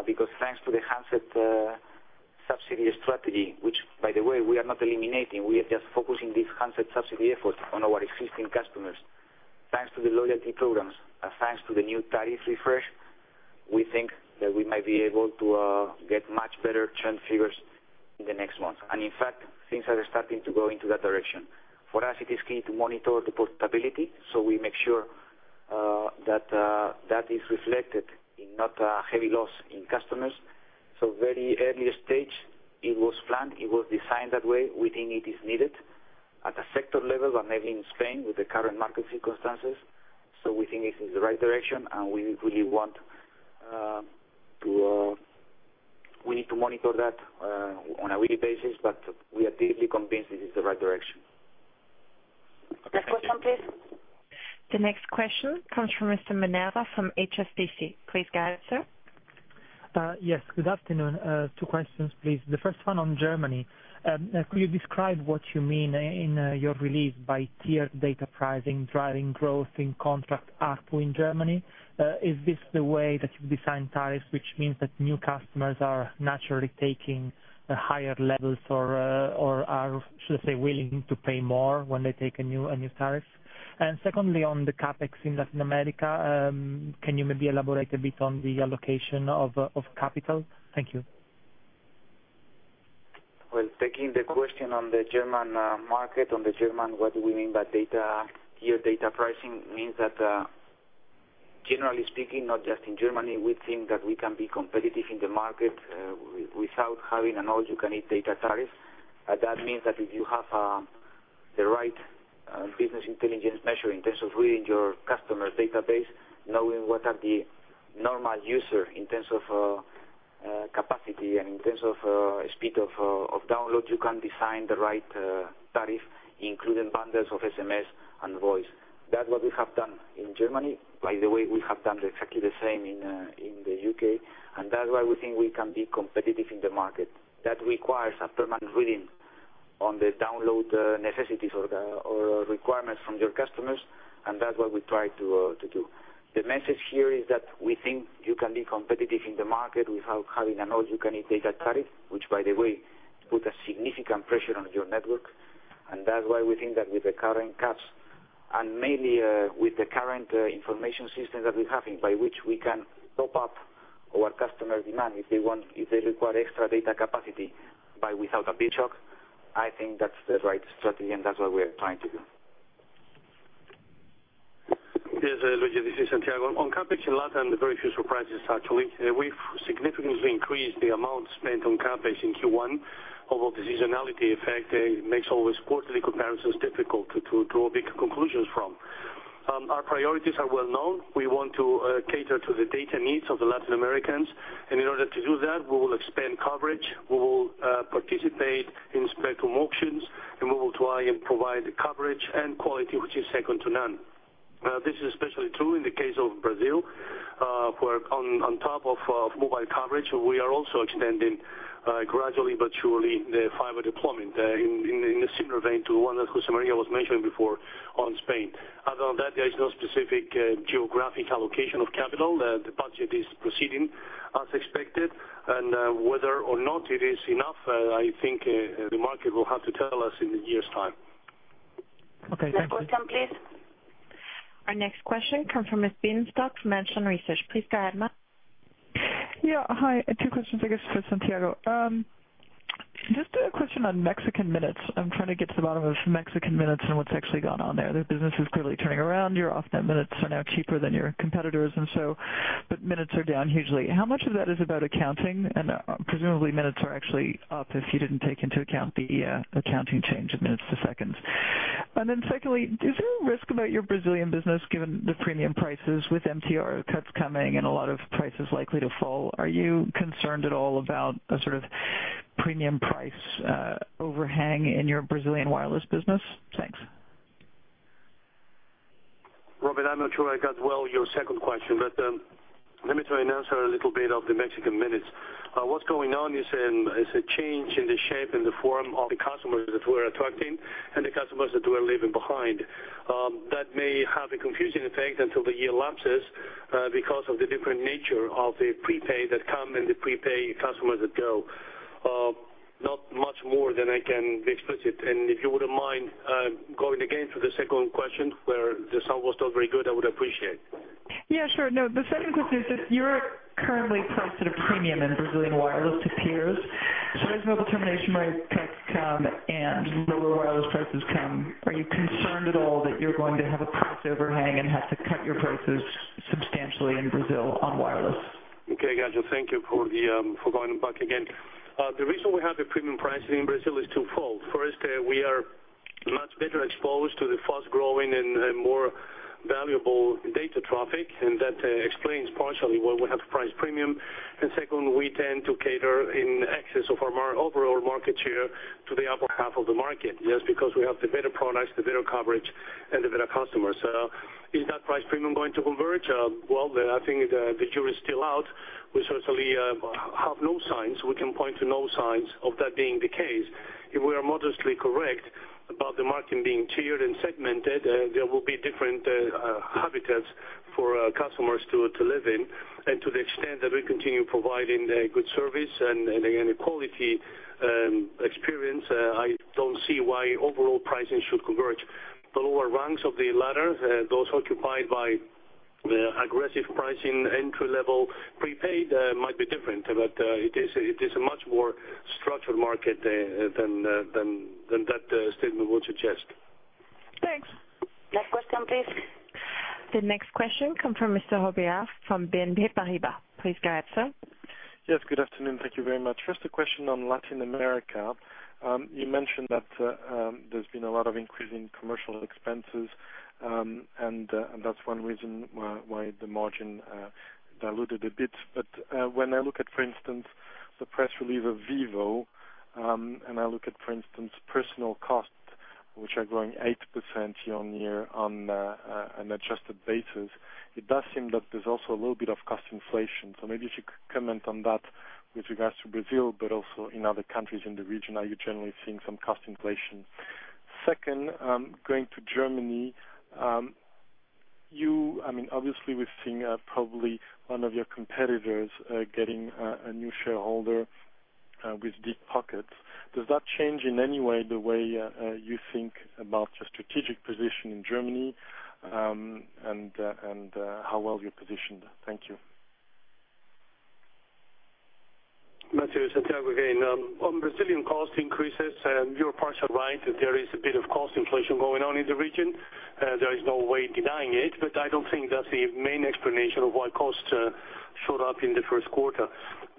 because thanks to the handset subsidy strategy, which by the way, we are not eliminating, we are just focusing this handset subsidy effort on our existing customers. Thanks to the loyalty programs, and thanks to the new tariff refresh, we think that we might be able to get much better churn figures in the next months. In fact, things are starting to go into that direction. For us, it is key to monitor the portability, so we make sure that is reflected in not a heavy loss in customers. Very early stage, it was planned, it was designed that way. We think it is needed at a sector level, and maybe in Spain with the current market circumstances. We think this is the right direction, and we need to monitor that on a weekly basis, we are deeply convinced this is the right direction. Next question, please. The next question comes from Mr. Minerva from HSBC. Please go ahead, sir. Yes, good afternoon. Two questions, please. The first one on Germany. Could you describe what you mean in your release by tiered data pricing driving growth in contract ARPU in Germany? Is this the way that you've designed tariffs, which means that new customers are naturally taking higher levels or are, should I say, willing to pay more when they take a new tariff? Secondly, on the CapEx in Latin America, can you maybe elaborate a bit on the allocation of capital? Thank you. Well, taking the question on the German market, on the German, what do we mean by tiered data pricing means that, generally speaking, not just in Germany, we think that we can be competitive in the market, without having an all-you-can-eat data tariff. That means that if you have the right business intelligence measure in terms of reading your customer database, knowing what are the normal user in terms of capacity and in terms of speed of download, you can design the right tariff, including bundles of SMS and voice. That's what we have done in Germany. By the way, we have done exactly the same in the U.K. That's why we think we can be competitive in the market. That requires a permanent reading on the download necessities or requirements from your customers. That's what we try to do. The message here is that we think you can be competitive in the market without having an all-you-can-eat data tariff, which by the way, put a significant pressure on your network. That's why we think that with the current caps, and mainly, with the current information system that we have, by which we can top up our customer demand if they require extra data capacity, but without a big shock, I think that's the right strategy, and that's what we are trying to do. Yes, Luigi, this is Santiago. On CapEx in Latin, very few surprises, actually. We've significantly increased the amount spent on CapEx in Q1, although seasonality effect makes all these quarterly comparisons difficult to draw big conclusions from. Our priorities are well known. We want to cater to the data needs of the Latin Americans. In order to do that, we will expand coverage. We will participate in spectrum auctions, we will try and provide coverage and quality, which is second to none. This is especially true in the case of Brazil, where on top of mobile coverage, we are also extending, gradually but surely, the fiber deployment, in a similar vein to one that José María was mentioning before on Spain. Other than that, there is no specific geographic allocation of capital. The budget is proceeding as expected, and whether or not it is enough, I think the market will have to tell us in a year's time. Okay, thank you. Next question, please. Our next question comes from Mr. Bienenstock from Sanford Bernstein. Please go ahead, ma'am. Yeah. Hi. Two questions, I guess, for Santiago. Just a question on Mexican minutes. I'm trying to get to the bottom of Mexican minutes and what's actually gone on there. The business is clearly turning around. Your off-net minutes are now cheaper than your competitors, but minutes are down hugely. How much of that is about accounting? Presumably minutes are actually up if you didn't take into account the accounting change of minutes to seconds. Secondly, is there a risk about your Brazilian business given the premium prices with MTR cuts coming and a lot of prices likely to fall? Are you concerned at all about a premium price overhang in your Brazilian wireless business? Thanks. Robin, I'm not sure I got your second question well, but let me try and answer a little bit of the Mexican minutes. What's going on is a change in the shape and the form of the customers that we're attracting and the customers that we're leaving behind. That may have a confusing effect until the year lapses because of the different nature of the prepaid that come and the prepaid customers that go. Not much more than I can explicit. If you wouldn't mind going again to the second question, where the sound was not very good, I would appreciate. Yeah, sure. The second question is just you're currently priced at a premium in Brazilian wireless to peers. As mobile termination rate cuts come and lower wireless prices come, are you concerned at all that you're going to have a price overhang and have to cut your prices substantially in Brazil on wireless? Okay, got you. Thank you for going back again. The reason we have the premium pricing in Brazil is twofold. First, we are much better exposed to the fast-growing and more valuable data traffic, that explains partially why we have the price premium. Second, we tend to cater in excess of our overall market share to the upper half of the market. Just because we have the better products, the better coverage, and the better customers. Is that price premium going to converge? I think the jury's still out. We certainly have no signs. We can point to no signs of that being the case. If we are modestly correct about the market being tiered and segmented, there will be different habitats for customers to live in. To the extent that we continue providing good service and quality experience, I don't see why overall pricing should converge. The lower rungs of the ladder, those occupied by the aggressive pricing entry-level prepaid, might be different. It is a much more structured market than that statement would suggest. Thanks. Next question, please. The next question comes from Mr. Robilliard from BNP Paribas. Please go ahead, sir. Yes, good afternoon. Thank you very much. First, a question on Latin America. You mentioned that there's been a lot of increase in commercial expenses that's one reason why the margin diluted a bit. When I look at, for instance, the press release of Vivo, and I look at, for instance, personal costs, which are growing 8% year-on-year on an adjusted basis, it does seem that there's also a little bit of cost inflation. Maybe if you could comment on that with regards to Brazil, but also in other countries in the region. Are you generally seeing some cost inflation? Second, going to Germany. Obviously, we're seeing probably one of your competitors getting a new shareholder with deep pockets. Does that change in any way the way you think about your strategic position in Germany, and how well you're positioned? Thank you. Mathieu, it's Santiago again. On Brazilian cost increases, you are partially right that there is a bit of cost inflation going on in the region. There is no way denying it, but I don't think that's the main explanation of why costs showed up in the first quarter.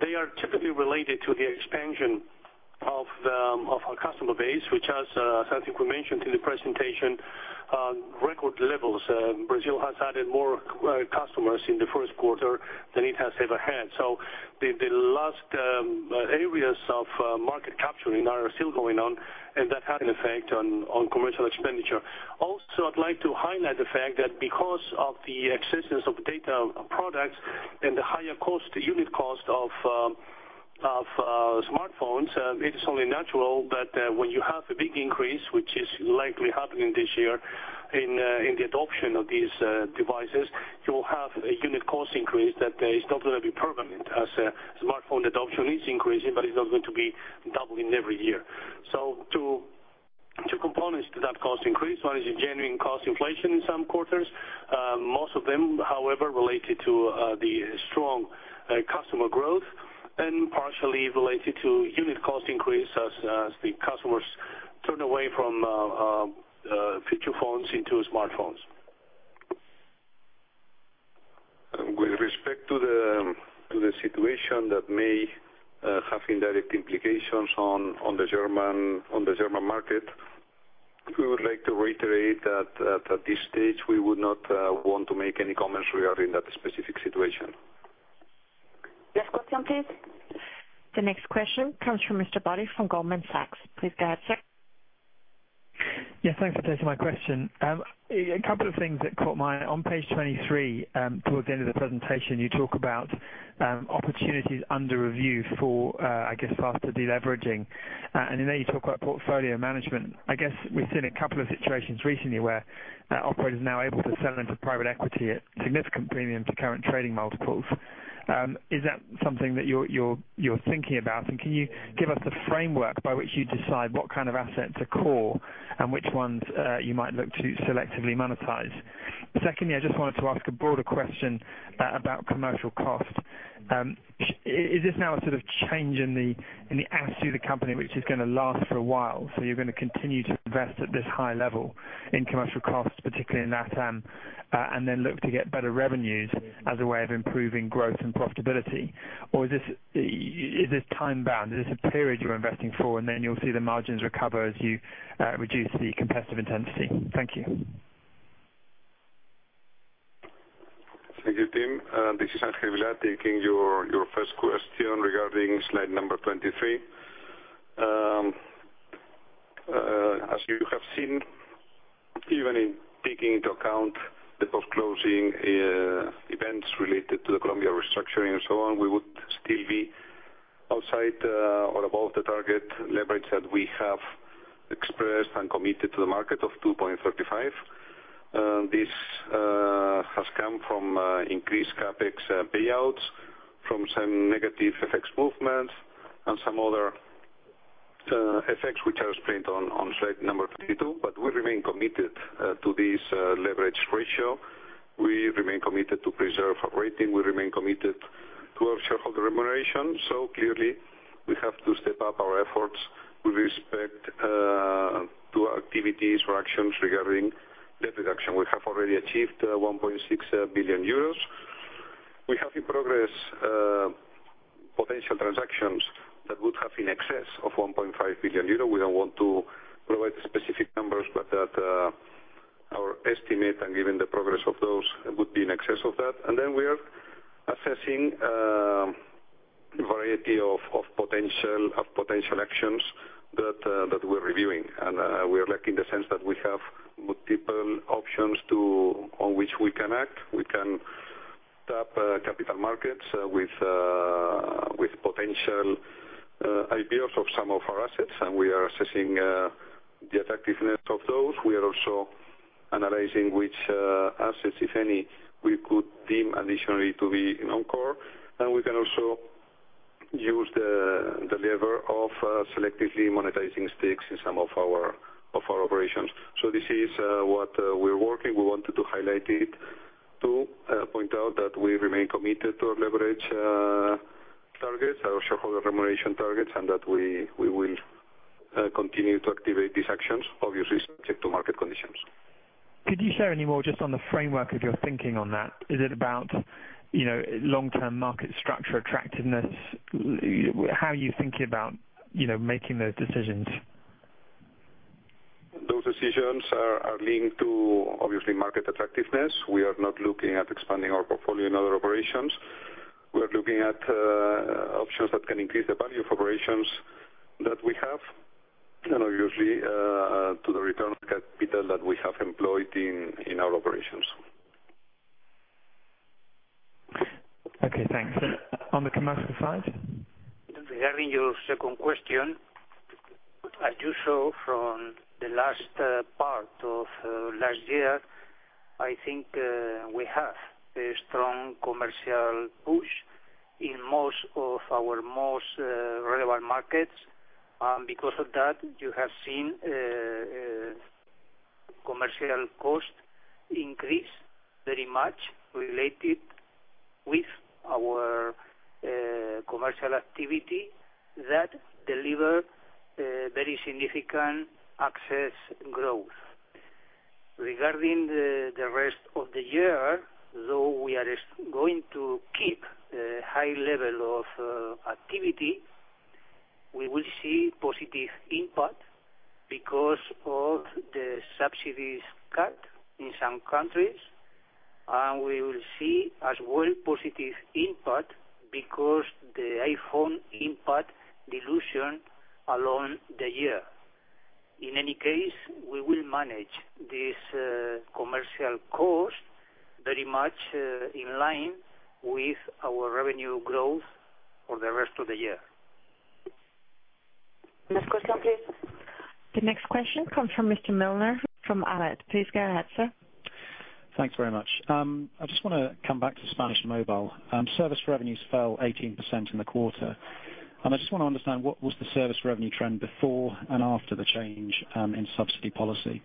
They are typically related to the expansion of our customer base, which as I think we mentioned in the presentation, record levels. Brazil has added more customers in the first quarter than it has ever had. The last areas of market capturing are still going on, and that had an effect on commercial expenditure. I'd like to highlight the fact that because of the existence of data products and the higher unit cost of smartphones, it is only natural that when you have a big increase, which is likely happening this year in the adoption of these devices, you will have a unit cost increase that is not going to be permanent, as smartphone adoption is increasing, but it's not going to be doubling every year. Two components to that cost increase. One is a genuine cost inflation in some quarters. Most of them, however, related to the strong customer growth and partially related to unit cost increase as the customers turn away from feature phones into smartphones. With respect to the situation that may have indirect implications on the German market, we would like to reiterate that at this stage, we would not want to make any comments regarding that specific situation. Next question, please. The next question comes from Mr. Boddy from Goldman Sachs. Please go ahead, sir. Yes, thanks for taking my question. A couple of things that caught my eye. On page 23, towards the end of the presentation, you talk about opportunities under review for, I guess, faster deleveraging. In there you talk about portfolio management. I guess we've seen a couple of situations recently where operators are now able to sell into private equity at significant premium to current trading multiples. Is that something that you're thinking about, and can you give us a framework by which you decide what kind of assets are core and which ones you might look to selectively monetize? Secondly, I just wanted to ask a broader question about commercial cost. Is this now a sort of change in the attitude of the company, which is going to last for a while? You're going to continue to invest at this high level in commercial costs, particularly in LATAM. Then look to get better revenues as a way of improving growth and profitability? Is this time-bound? Is this a period you're investing for, then you'll see the margins recover as you reduce the competitive intensity? Thank you. Thank you, Tim. This is Ángel Vilá taking your first question regarding slide number 23. As you have seen, even in taking into account the post-closing events related to the Colombia restructuring and so on, we would still be outside or above the target leverage that we have expressed and committed to the market of 2.35. This has come from increased CapEx payouts from some negative FX movements and some other effects, which are explained on slide number 32. We remain committed to this leverage ratio. We remain committed to preserve our rating. We remain committed to our shareholder remuneration. Clearly, we have to step up our efforts with respect to activities or actions regarding debt reduction. We have already achieved 1.6 billion euros. We have in progress potential transactions that would have in excess of 1.5 billion euro. We don't want to provide specific numbers, but our estimate and given the progress of those would be in excess of that. We are assessing a variety of potential actions that we're reviewing. We are lucky in the sense that we have multiple options on which we can act. We can tap capital markets with potential IPOs of some of our assets, and we are assessing the attractiveness of those. We are also analyzing which assets, if any, we could deem additionally to be non-core. We can also use the lever of selectively monetizing stakes in some of our operations. This is what we're working. We wanted to highlight it to point out that we remain committed to our leverage targets, our shareholder remuneration targets, and that we will continue to activate these actions, obviously subject to market conditions. Could you share any more just on the framework of your thinking on that? Is it about long-term market structure attractiveness? How are you thinking about making those decisions? Those decisions are linked to, obviously, market attractiveness. We are not looking at expanding our portfolio in other operations. We are looking at options that can increase the value of operations that we have, and are usually to the return on capital that we have employed in our operations. Okay, thanks. On the commercial side? Regarding your second question, as you saw from the last part of last year, I think we have a strong commercial push in most of our most relevant markets. Because of that, you have seen commercial cost increase very much related with our commercial activity that deliver very significant access growth. Regarding the rest of the year, though, we are going to keep a high level of activity. We will see positive impact because of the subsidies cut in some countries, and we will see as well positive impact because the iPhone impact dilution along the year. In any case, we will manage this commercial cost very much in line with our revenue growth for the rest of the year. Next question, please. The next question comes from Mr. Milner, from Allied. Please go ahead, sir. Thanks very much. I just want to come back to Spanish mobile. Service revenues fell 18% in the quarter. I just want to understand, what was the service revenue trend before and after the change in subsidy policy?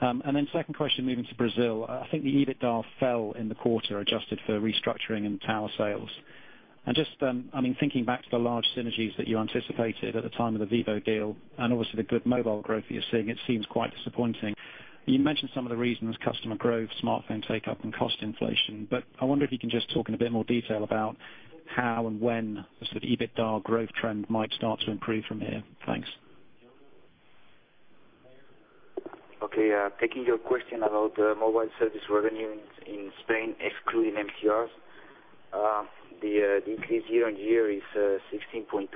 Second question, moving to Brazil. I think the EBITDA fell in the quarter, adjusted for restructuring and tower sales. Just thinking back to the large synergies that you anticipated at the time of the Vivo deal, and obviously the good mobile growth that you're seeing, it seems quite disappointing. You mentioned some of the reasons: customer growth, smartphone take-up, and cost inflation. I wonder if you can just talk in a bit more detail about how and when the EBITDA growth trend might start to improve from here. Thanks. Okay. Taking your question about mobile service revenue in Spain, excluding MTRs. The decrease year-over-year is 16.2%,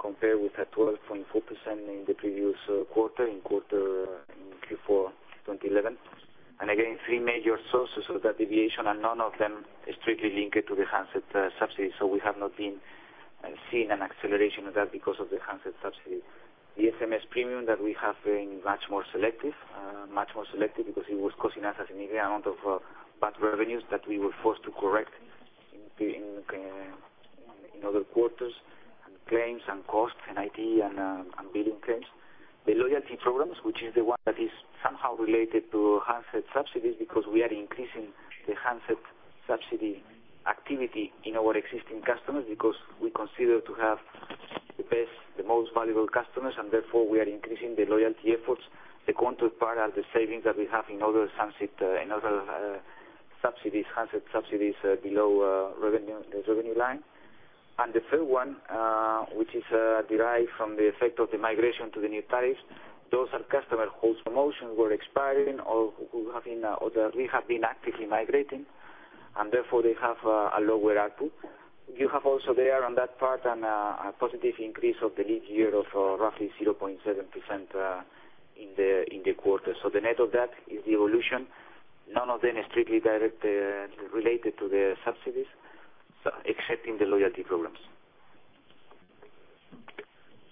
compared with a 12.4% in the previous quarter, in Q4 2011. Again, three major sources of that deviation, none of them strictly linked to the handset subsidy. We have not seen an acceleration of that because of the handset subsidy. The SMS premium that we have been much more selective because it was costing us a significant amount of bad revenues that we were forced to correct in other quarters, and claims and costs and IT and billing claims. The loyalty programs, which is the one that is somehow related to handset subsidies, because we are increasing the handset subsidy activity in our existing customers, because we consider to have the best, the most valuable customers, and therefore we are increasing the loyalty efforts. The counterpart are the savings that we have in other subsidies, handset subsidies below the revenue line. The third one, which is derived from the effect of the migration to the new tariffs. Those are customers whose promotions were expiring or that we have been actively migrating, and therefore they have a lower ARPU. You have also there on that part a positive increase of the LIG year of roughly 0.7% in the quarter. The net of that is the evolution. None of them is strictly directly related to the subsidies, excepting the loyalty programs.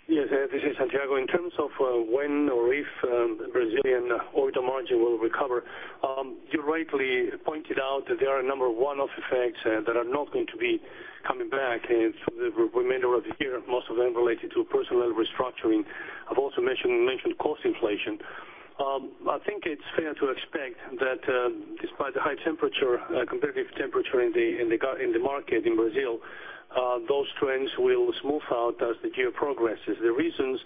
Yes, this is Santiago. In terms of when or if the Brazilian OIBDA margin will recover, you rightly pointed out that there are a number of one-off effects that are not going to be coming back for the remainder of the year, most of them related to personnel restructuring. I have also mentioned cost inflation. I think it is fair to expect that despite the high competitive temperature in the market in Brazil, those trends will smooth out as the year progresses. The reasons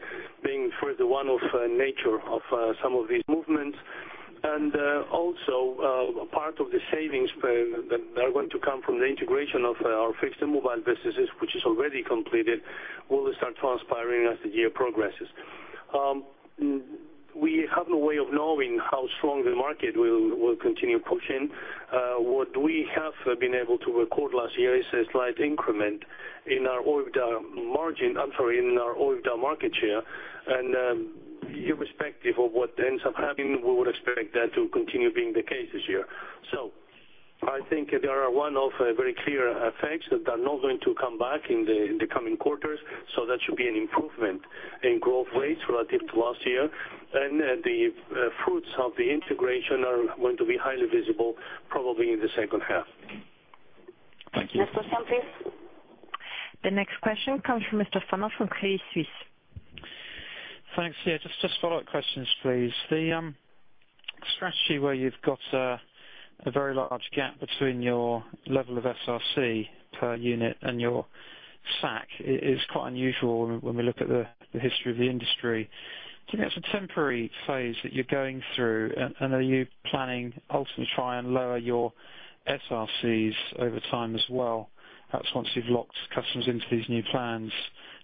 being for the one-off nature of some of these movements, and also part of the savings that are going to come from the integration of our fixed and mobile businesses, which is already completed, will start transpiring as the year progresses. We have no way of knowing how strong the market will continue pushing. What we have been able to record last year is a slight increment in our OIBDA market share, irrespective of what ends up happening, we would expect that to continue being the case this year. I think there are one-off, very clear effects that are not going to come back in the coming quarters, that should be an improvement in growth rates relative to last year. The fruits of the integration are going to be highly visible, probably in the second half. Thank you. Next question, please. The next question comes from Mr. Funnell from Credit Suisse. Thanks. Yeah, just follow-up questions, please. The strategy where you've got a very large gap between your level of SAC per unit and your SAC is quite unusual when we look at the history of the industry. Do you think that's a temporary phase that you're going through, and are you planning ultimately to try and lower your SACs over time as well, perhaps once you've locked customers into these new plans?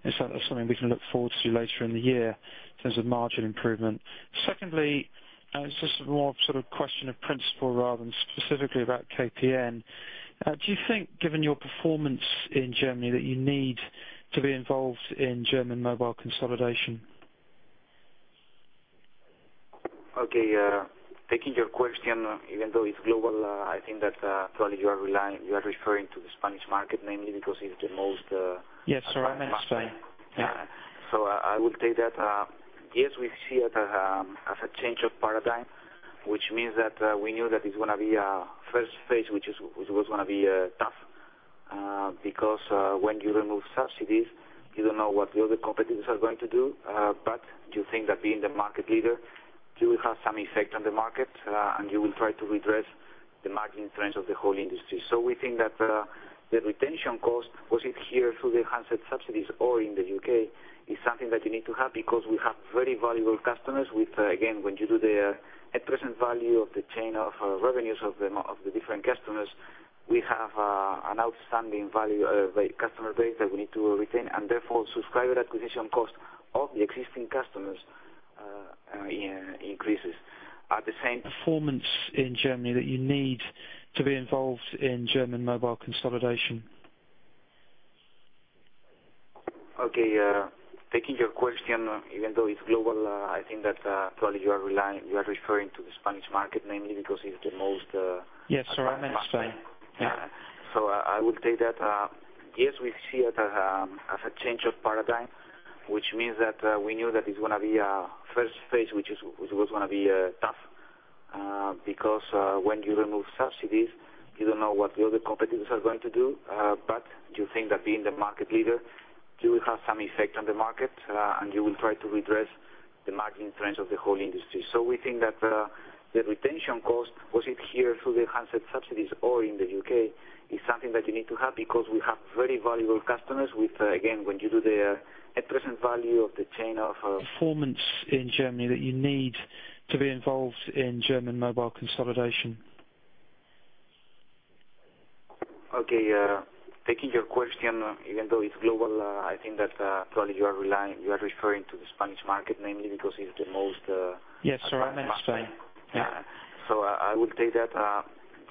Is that something we can look forward to later in the year in terms of margin improvement? Secondly, it's just more a question of principle rather than specifically about KPN. Do you think, given your performance in Germany, that you need to be involved in German mobile consolidation? Okay. Taking your question, even though it's global, I think that probably you are referring to the Spanish market mainly because it's the most- Yes. Sorry, mainly Spain. Yeah I would say that, yes, we see it as a change of paradigm, which means that we knew that it's going to be a first phase, which was going to be tough. When you remove subsidies, you don't know what the other competitors are going to do. You think that being the market leader, you will have some effect on the market, and you will try to redress the margin trends of the whole industry. We think that the retention cost, was it here through the handset subsidies or in the U.K., is something that you need to have because we have very valuable customers with, again, when you do the at present value of the chain of revenues of the different customers, we have an outstanding customer base that we need to retain, and therefore, subscriber acquisition cost of the existing customers increases. At the same time- Performance in Germany that you need to be involved in German mobile consolidation. Okay. Taking your question, even though it's global, I think that probably you are referring to the Spanish market mainly because it's the most- Yes. Sorry, mainly Spain. Yeah. I would say that,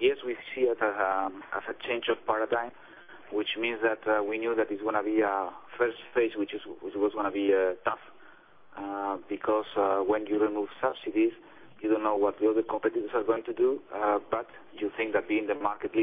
yes, we see it as a change of paradigm, which means that, we knew that it's going to be a first phase, which was going to be tough. When you remove subsidies, you don't know what the other competitors are going to do. You think that being the market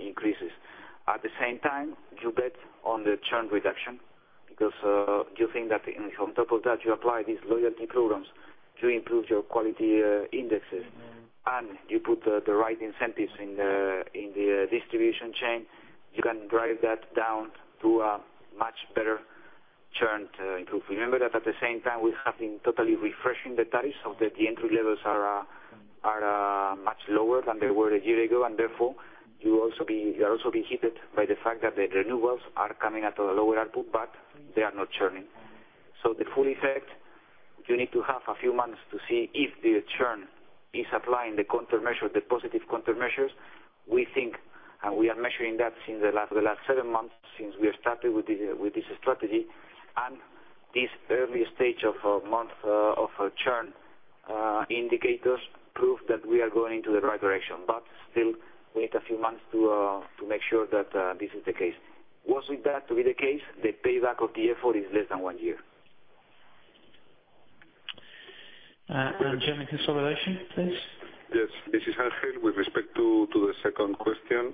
increases. At the same time, you bet on the churn reduction because you think that on top of that, you apply these loyalty programs to improve your quality indexes, and you put the right incentives in the distribution chain. You can drive that down through a much better churn to improve. Remember that at the same time, we have been totally refreshing the tariffs so that the entry levels are much lower than they were a year ago, and therefore, you are also being hit by the fact that the renewals are coming at a lower output, but they are not churning. The full effect, you need to have a few months to see if the churn is applying the positive countermeasures. We think, and we are measuring that since the last 7 months since we started with this strategy, and this early stage of month of churn indicators prove that we are going into the right direction. Still, we need a few months to make sure that this is the case. Was it that to be the case, the payback of the effort is less than 1 year. German consolidation, please. Yes. This is Ángel. With respect to the second question,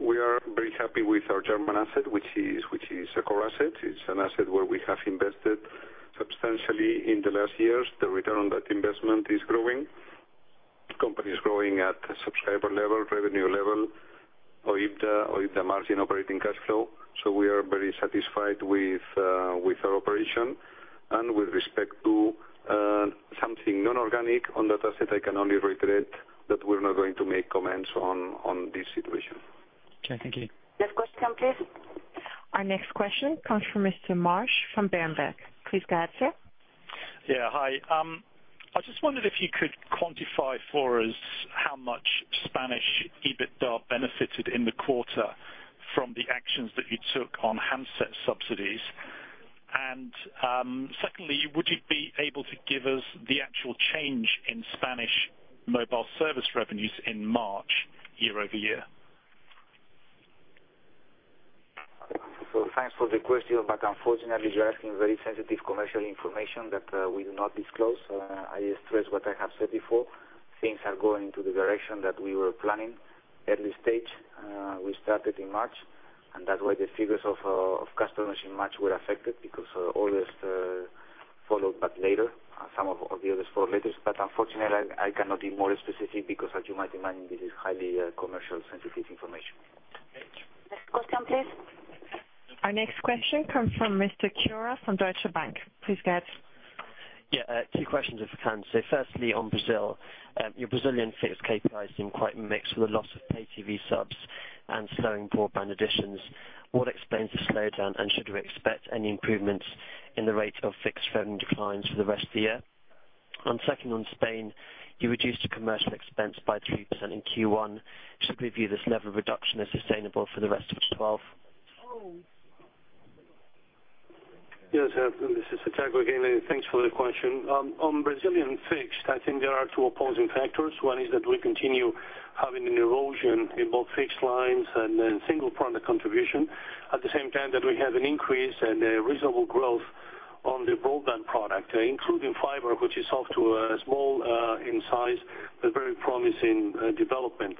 we are very happy with our German asset, which is a core asset. It's an asset where we have invested substantially in the last years. The return on that investment is growing. Company is growing at a subscriber level, revenue level, or EBITDA margin operating cash flow. We are very satisfied with our operation, and with respect to something non-organic on that asset, I can only reiterate that we're not going to make comments on this situation. Okay. Thank you. Next question, please. Our next question comes from Mr. Marsch from Berenberg. Please go ahead, sir. Yeah. Hi. I just wondered if you could quantify for us how much Spanish EBITDA benefited in the quarter from the actions that you took on handset subsidies. Secondly, would you be able to give us the actual change in Spanish mobile service revenues in March year-over-year? Thanks for the question, unfortunately, you're asking very sensitive commercial information that we do not disclose. I stress what I have said before. Things are going into the direction that we were planning early stage. We started in March, that's why the figures of customers in March were affected, because all this followed back later. Some of the others followed later. Unfortunately, I cannot be more specific because as you might imagine, this is highly commercial sensitive information. Next question, please. Our next question comes from Mr. Khiroya from Deutsche Bank. Please go ahead. Two questions, if I can. Firstly, on Brazil, your Brazilian fixed KPIs seem quite mixed with the loss of pay TV subs and slowing broadband additions. What explains the slowdown? Should we expect any improvements in the rate of fixed phone declines for the rest of the year? Second, on Spain, you reduced your commercial expense by 3% in Q1. Should we view this level of reduction as sustainable for the rest of 2012? This is Santiago again, and thanks for the question. On Brazilian fixed, I think there are two opposing factors. One is that we continue having an erosion in both fixed lines and then single product contribution. At the same time that we have an increase and a reasonable growth on the broadband product, including fiber, which is off to a small in size, but very promising development.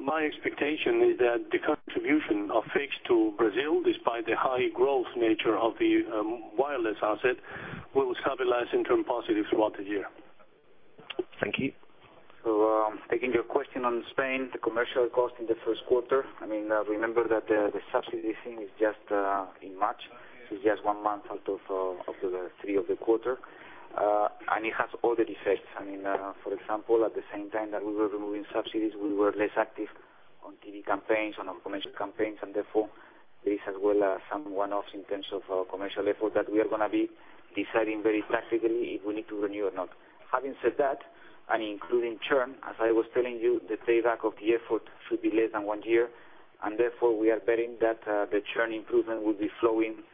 My expectation is that the contribution of fixed to Brazil, despite the high growth nature of the wireless asset, will stabilize into positive throughout the year. Thank you. Taking your question on Spain, the commercial cost in the first quarter, remember that the subsidy thing is just in March. Just one month out of the three of the quarter. It has all the defects. For example, at the same time that we were removing subsidies, we were less active on TV campaigns and on commercial campaigns, and therefore there is as well some one-offs in terms of commercial effort that we are going to be deciding very tactically if we need to renew or not. Having said that, and including churn, as I was telling you, the payback of the effort should be less than one year, and therefore, we are betting that the churn improvement will be flowing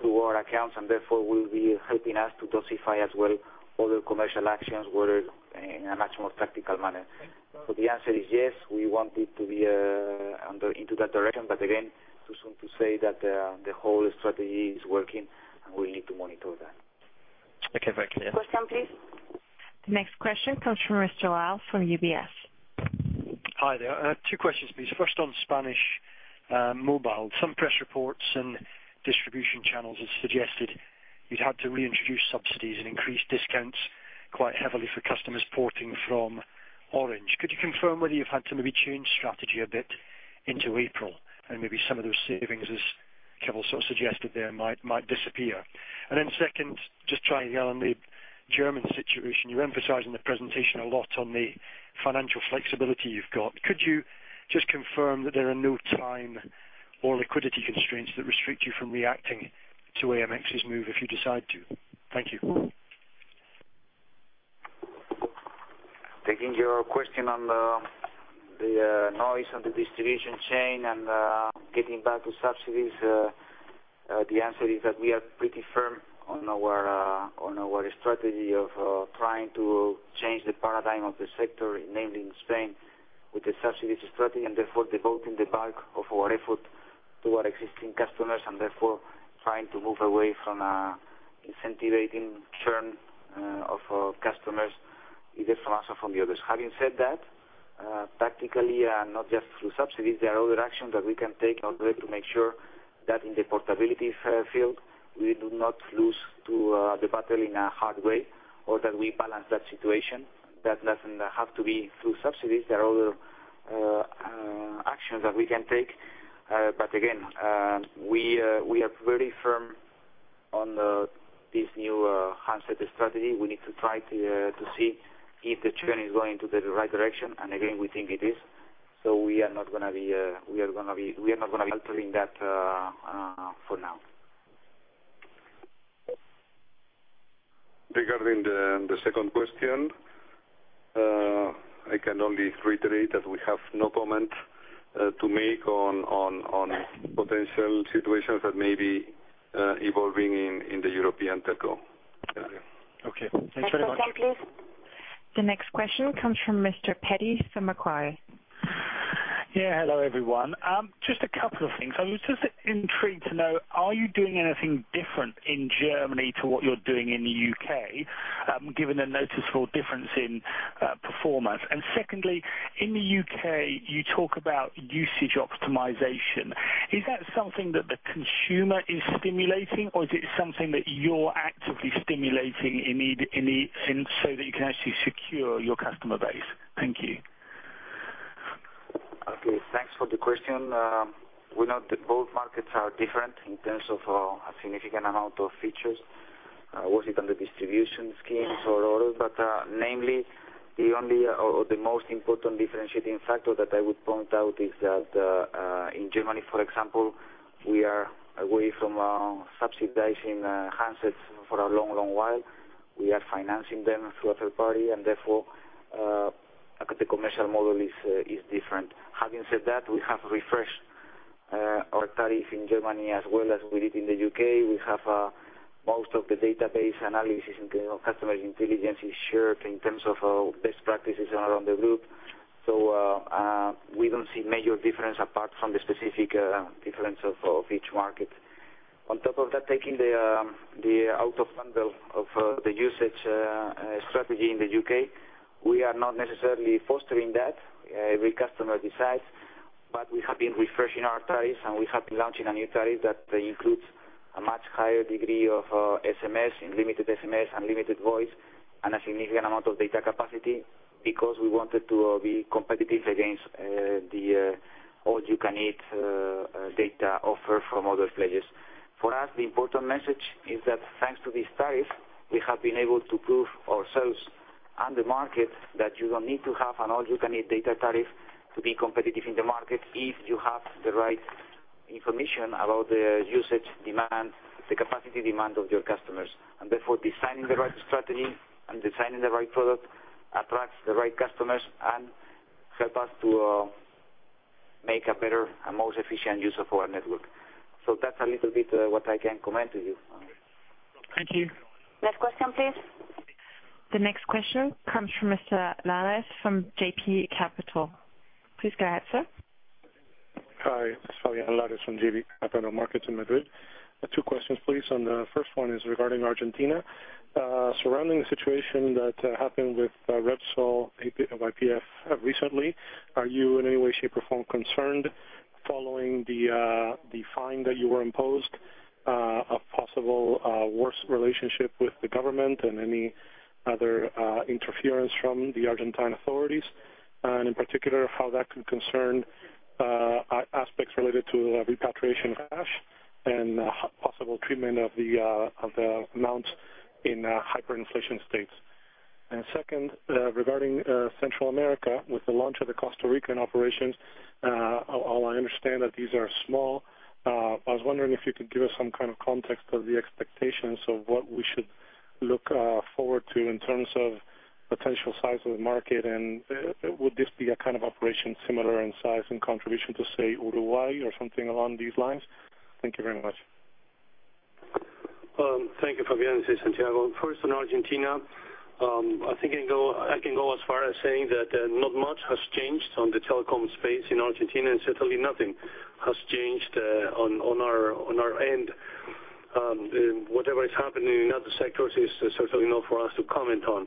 through our accounts and therefore will be helping us to dosify as well other commercial actions where, in a much more tactical manner. The answer is yes, we want it to be into that direction, but again, too soon to say that the whole strategy is working and we need to monitor that. Okay. Thank you. Next question, please. The next question comes from Mr. Lyall from UBS. Hi there. Two questions, please. First on Spanish mobile. Some press reports and distribution channels have suggested you'd had to reintroduce subsidies and increase discounts quite heavily for customers porting from Orange. Could you confirm whether you've had to maybe change strategy a bit into April and maybe some of those savings, as Keval suggested there, might disappear? Then second, just trying again on the German situation. You emphasize in the presentation a lot on the financial flexibility you've got. Could you just confirm that there are no time or liquidity constraints that restrict you from reacting to AMX's move if you decide to? Thank you. Taking your question on the noise on the distribution chain and getting back to subsidies, the answer is that we are pretty firm on our strategy of trying to change the paradigm of the sector, namely in Spain, with the subsidies strategy, and therefore devoting the bulk of our effort to our existing customers and therefore trying to move away from incentivizing churn of our customers, either from us or from the others. Having said that, tactically, not just through subsidies, there are other actions that we can take in order to make sure that in the portability field, we do not lose to the battle in a hard way or that we balance that situation. That doesn't have to be through subsidies. There are other actions that we can take. Again, we are very firm on this new handset strategy. We need to try to see if the churn is going to the right direction. Again, we think it is. We are not going to be altering that for now. Regarding the second question, I can only reiterate that we have no comment to make on potential situations that may be evolving in the European telco area. Okay. Thanks very much. Next question, please. The next question comes from Mr. Peddy from Macquarie. Hello, everyone. Just a couple of things. I was just intrigued to know, are you doing anything different in Germany to what you're doing in the U.K., given the noticeable difference in performance? Secondly, in the U.K., you talk about usage optimization. Is that something that the consumer is stimulating, or is it something that you're actively stimulating so that you can actually secure your customer base? Thank you. Okay. Thanks for the question. We know that both markets are different in terms of a significant amount of features, was it on the distribution schemes or others, but namely, the only or the most important differentiating factor that I would point out is that in Germany, for example, we are away from subsidizing handsets for a long while. We are financing them through a third party, and therefore, the commercial model is different. Having said that, we have refreshed our tariff in Germany as well as we did in the U.K. We have most of the database analysis in terms of customer intelligence is shared in terms of best practices around the group. We don't see major difference apart from the specific difference of each market. On top of that, taking the out of bundle of the usage strategy in the U.K., we are not necessarily fostering that. Every customer decides. We have been refreshing our tariffs, and we have been launching a new tariff that includes a much higher degree of SMS, unlimited SMS, unlimited voice, and a significant amount of data capacity, because we wanted to be competitive against the all-you-can-eat data offer from other places. For us, the important message is that thanks to this tariff, we have been able to prove ourselves and the market that you don't need to have an all-you-can-eat data tariff to be competitive in the market if you have the right information about the usage demand, the capacity demand of your customers. Therefore, designing the right strategy and designing the right product attracts the right customers and help us to make a better and most efficient use of our network. That's a little bit what I can comment to you on. Thank you. Next question, please. The next question comes from Mr. Lares from JB Capital. Please go ahead, sir. Hi. It's Fabián Lares from JB Capital Markets in Madrid. Two questions, please. The first one is regarding Argentina. Surrounding the situation that happened with Repsol of YPF recently, are you in any way, shape, or form concerned following the fine that you were imposed, a possible worse relationship with the government and any other interference from the Argentine authorities? In particular, how that could concern aspects related to repatriation of cash and possible treatment of the amounts in hyperinflation states. Second, regarding Central America, with the launch of the Costa Rican operations, while I understand that these are small, I was wondering if you could give us some kind of context of the expectations of what we should look forward to in terms of potential size of the market. Would this be a kind of operation similar in size and contribution to, say, Uruguay or something along these lines? Thank you very much. Thank you, Fabián. This is Santiago. First on Argentina, I think I can go as far as saying that not much has changed on the telecom space in Argentina. Certainly nothing has changed on our end. Whatever is happening in other sectors is certainly not for us to comment on.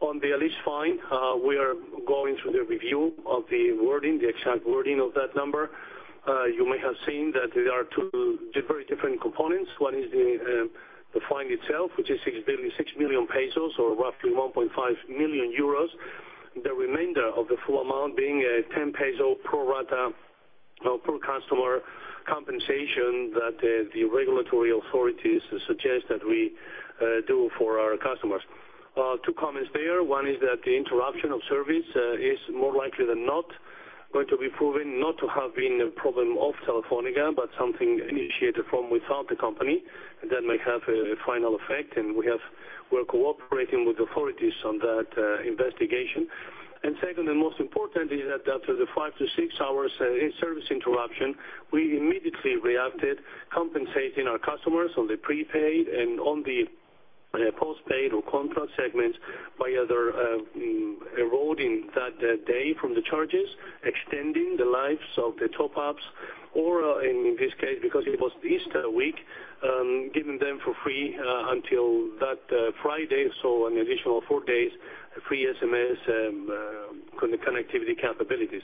On the ALICE fine, we are going through the review of the wording, the exact wording of that number. You may have seen that there are two very different components. One is the fine itself, which is 6 million pesos, or roughly 1.5 million euros. The remainder of the full amount being a 10 peso pro rata per customer compensation that the regulatory authorities suggest that we do for our customers. Two comments there. One is that the interruption of service is more likely than not going to be proven not to have been a problem of Telefónica, but something initiated from without the company that may have a final effect. We're cooperating with authorities on that investigation. Second, and most important, is that after the five to six hours service interruption, we immediately reacted, compensating our customers on the prepaid and on the postpaid or contract segments by either eroding that day from the charges, extending the lives of the top-ups, or in this case, because it was Easter week, giving them for free until that Friday, so an additional four days free SMS and connectivity capabilities.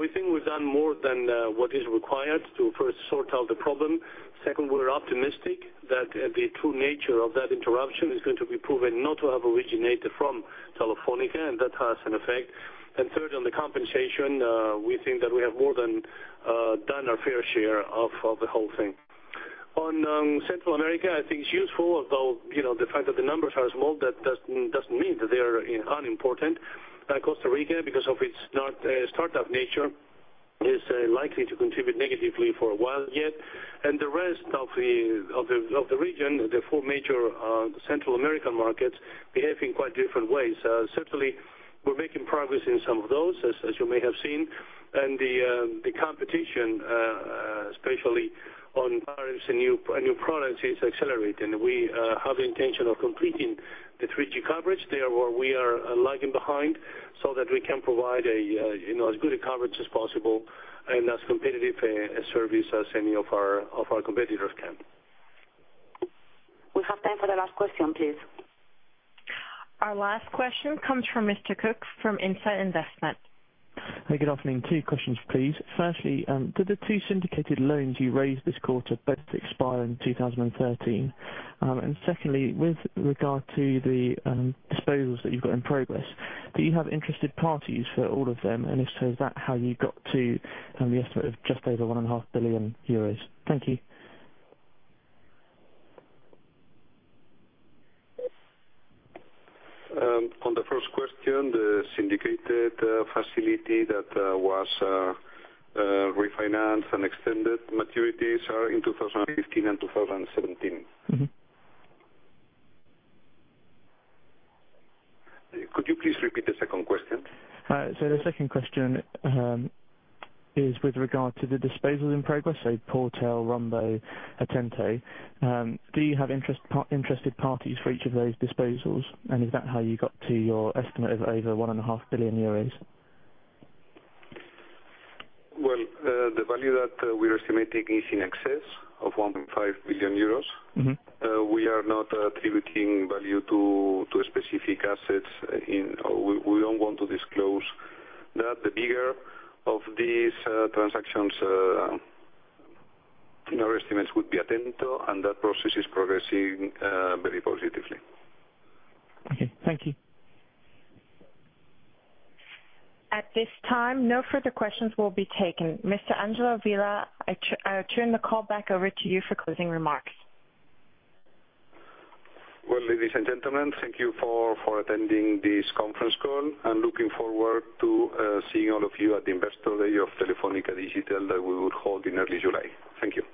We think we've done more than what is required to first sort out the problem. Second, we're optimistic that the true nature of that interruption is going to be proven not to have originated from Telefónica, that has an effect. Third, on the compensation, we think that we have more than done our fair share of the whole thing. On Central America, I think it's useful, although the fact that the numbers are small, that doesn't mean that they are unimportant. Costa Rica, because of its startup nature, is likely to contribute negatively for a while yet. The rest of the region, the four major Central American markets, behave in quite different ways. Certainly, we're making progress in some of those, as you may have seen. The competition, especially on tariffs and new products, is accelerating. We have the intention of completing the 3G coverage there where we are lagging behind so that we can provide as good a coverage as possible and as competitive a service as any of our competitors can. We have time for the last question, please. Our last question comes from Mr. Cooke from Insight Investment. Hey, good afternoon. Two questions, please. Firstly, do the two syndicated loans you raised this quarter both expire in 2013? Secondly, with regard to the disposals that you've got in progress, do you have interested parties for all of them? If so, is that how you got to the estimate of just over 1.5 billion euros? Thank you. On the first question, the syndicated facility that was refinanced and extended maturities are in 2015 and 2017. Could you please repeat the second question? The second question is with regard to the disposals in progress, so Portel, Rumbo, Atento. Do you have interested parties for each of those disposals? Is that how you got to your estimate of over 1.5 billion euros? Well, the value that we're estimating is in excess of 1.5 billion euros. We are not attributing value to specific assets in, or we don't want to disclose that. The bigger of these transactions in our estimates would be Atento, and that process is progressing very positively. Okay. Thank you. At this time, no further questions will be taken. Mr. Ángel Vilá, I turn the call back over to you for closing remarks. Well, ladies and gentlemen, thank you for attending this conference call, and looking forward to seeing all of you at the Investor Day of Telefónica Digital that we will hold in early July. Thank you.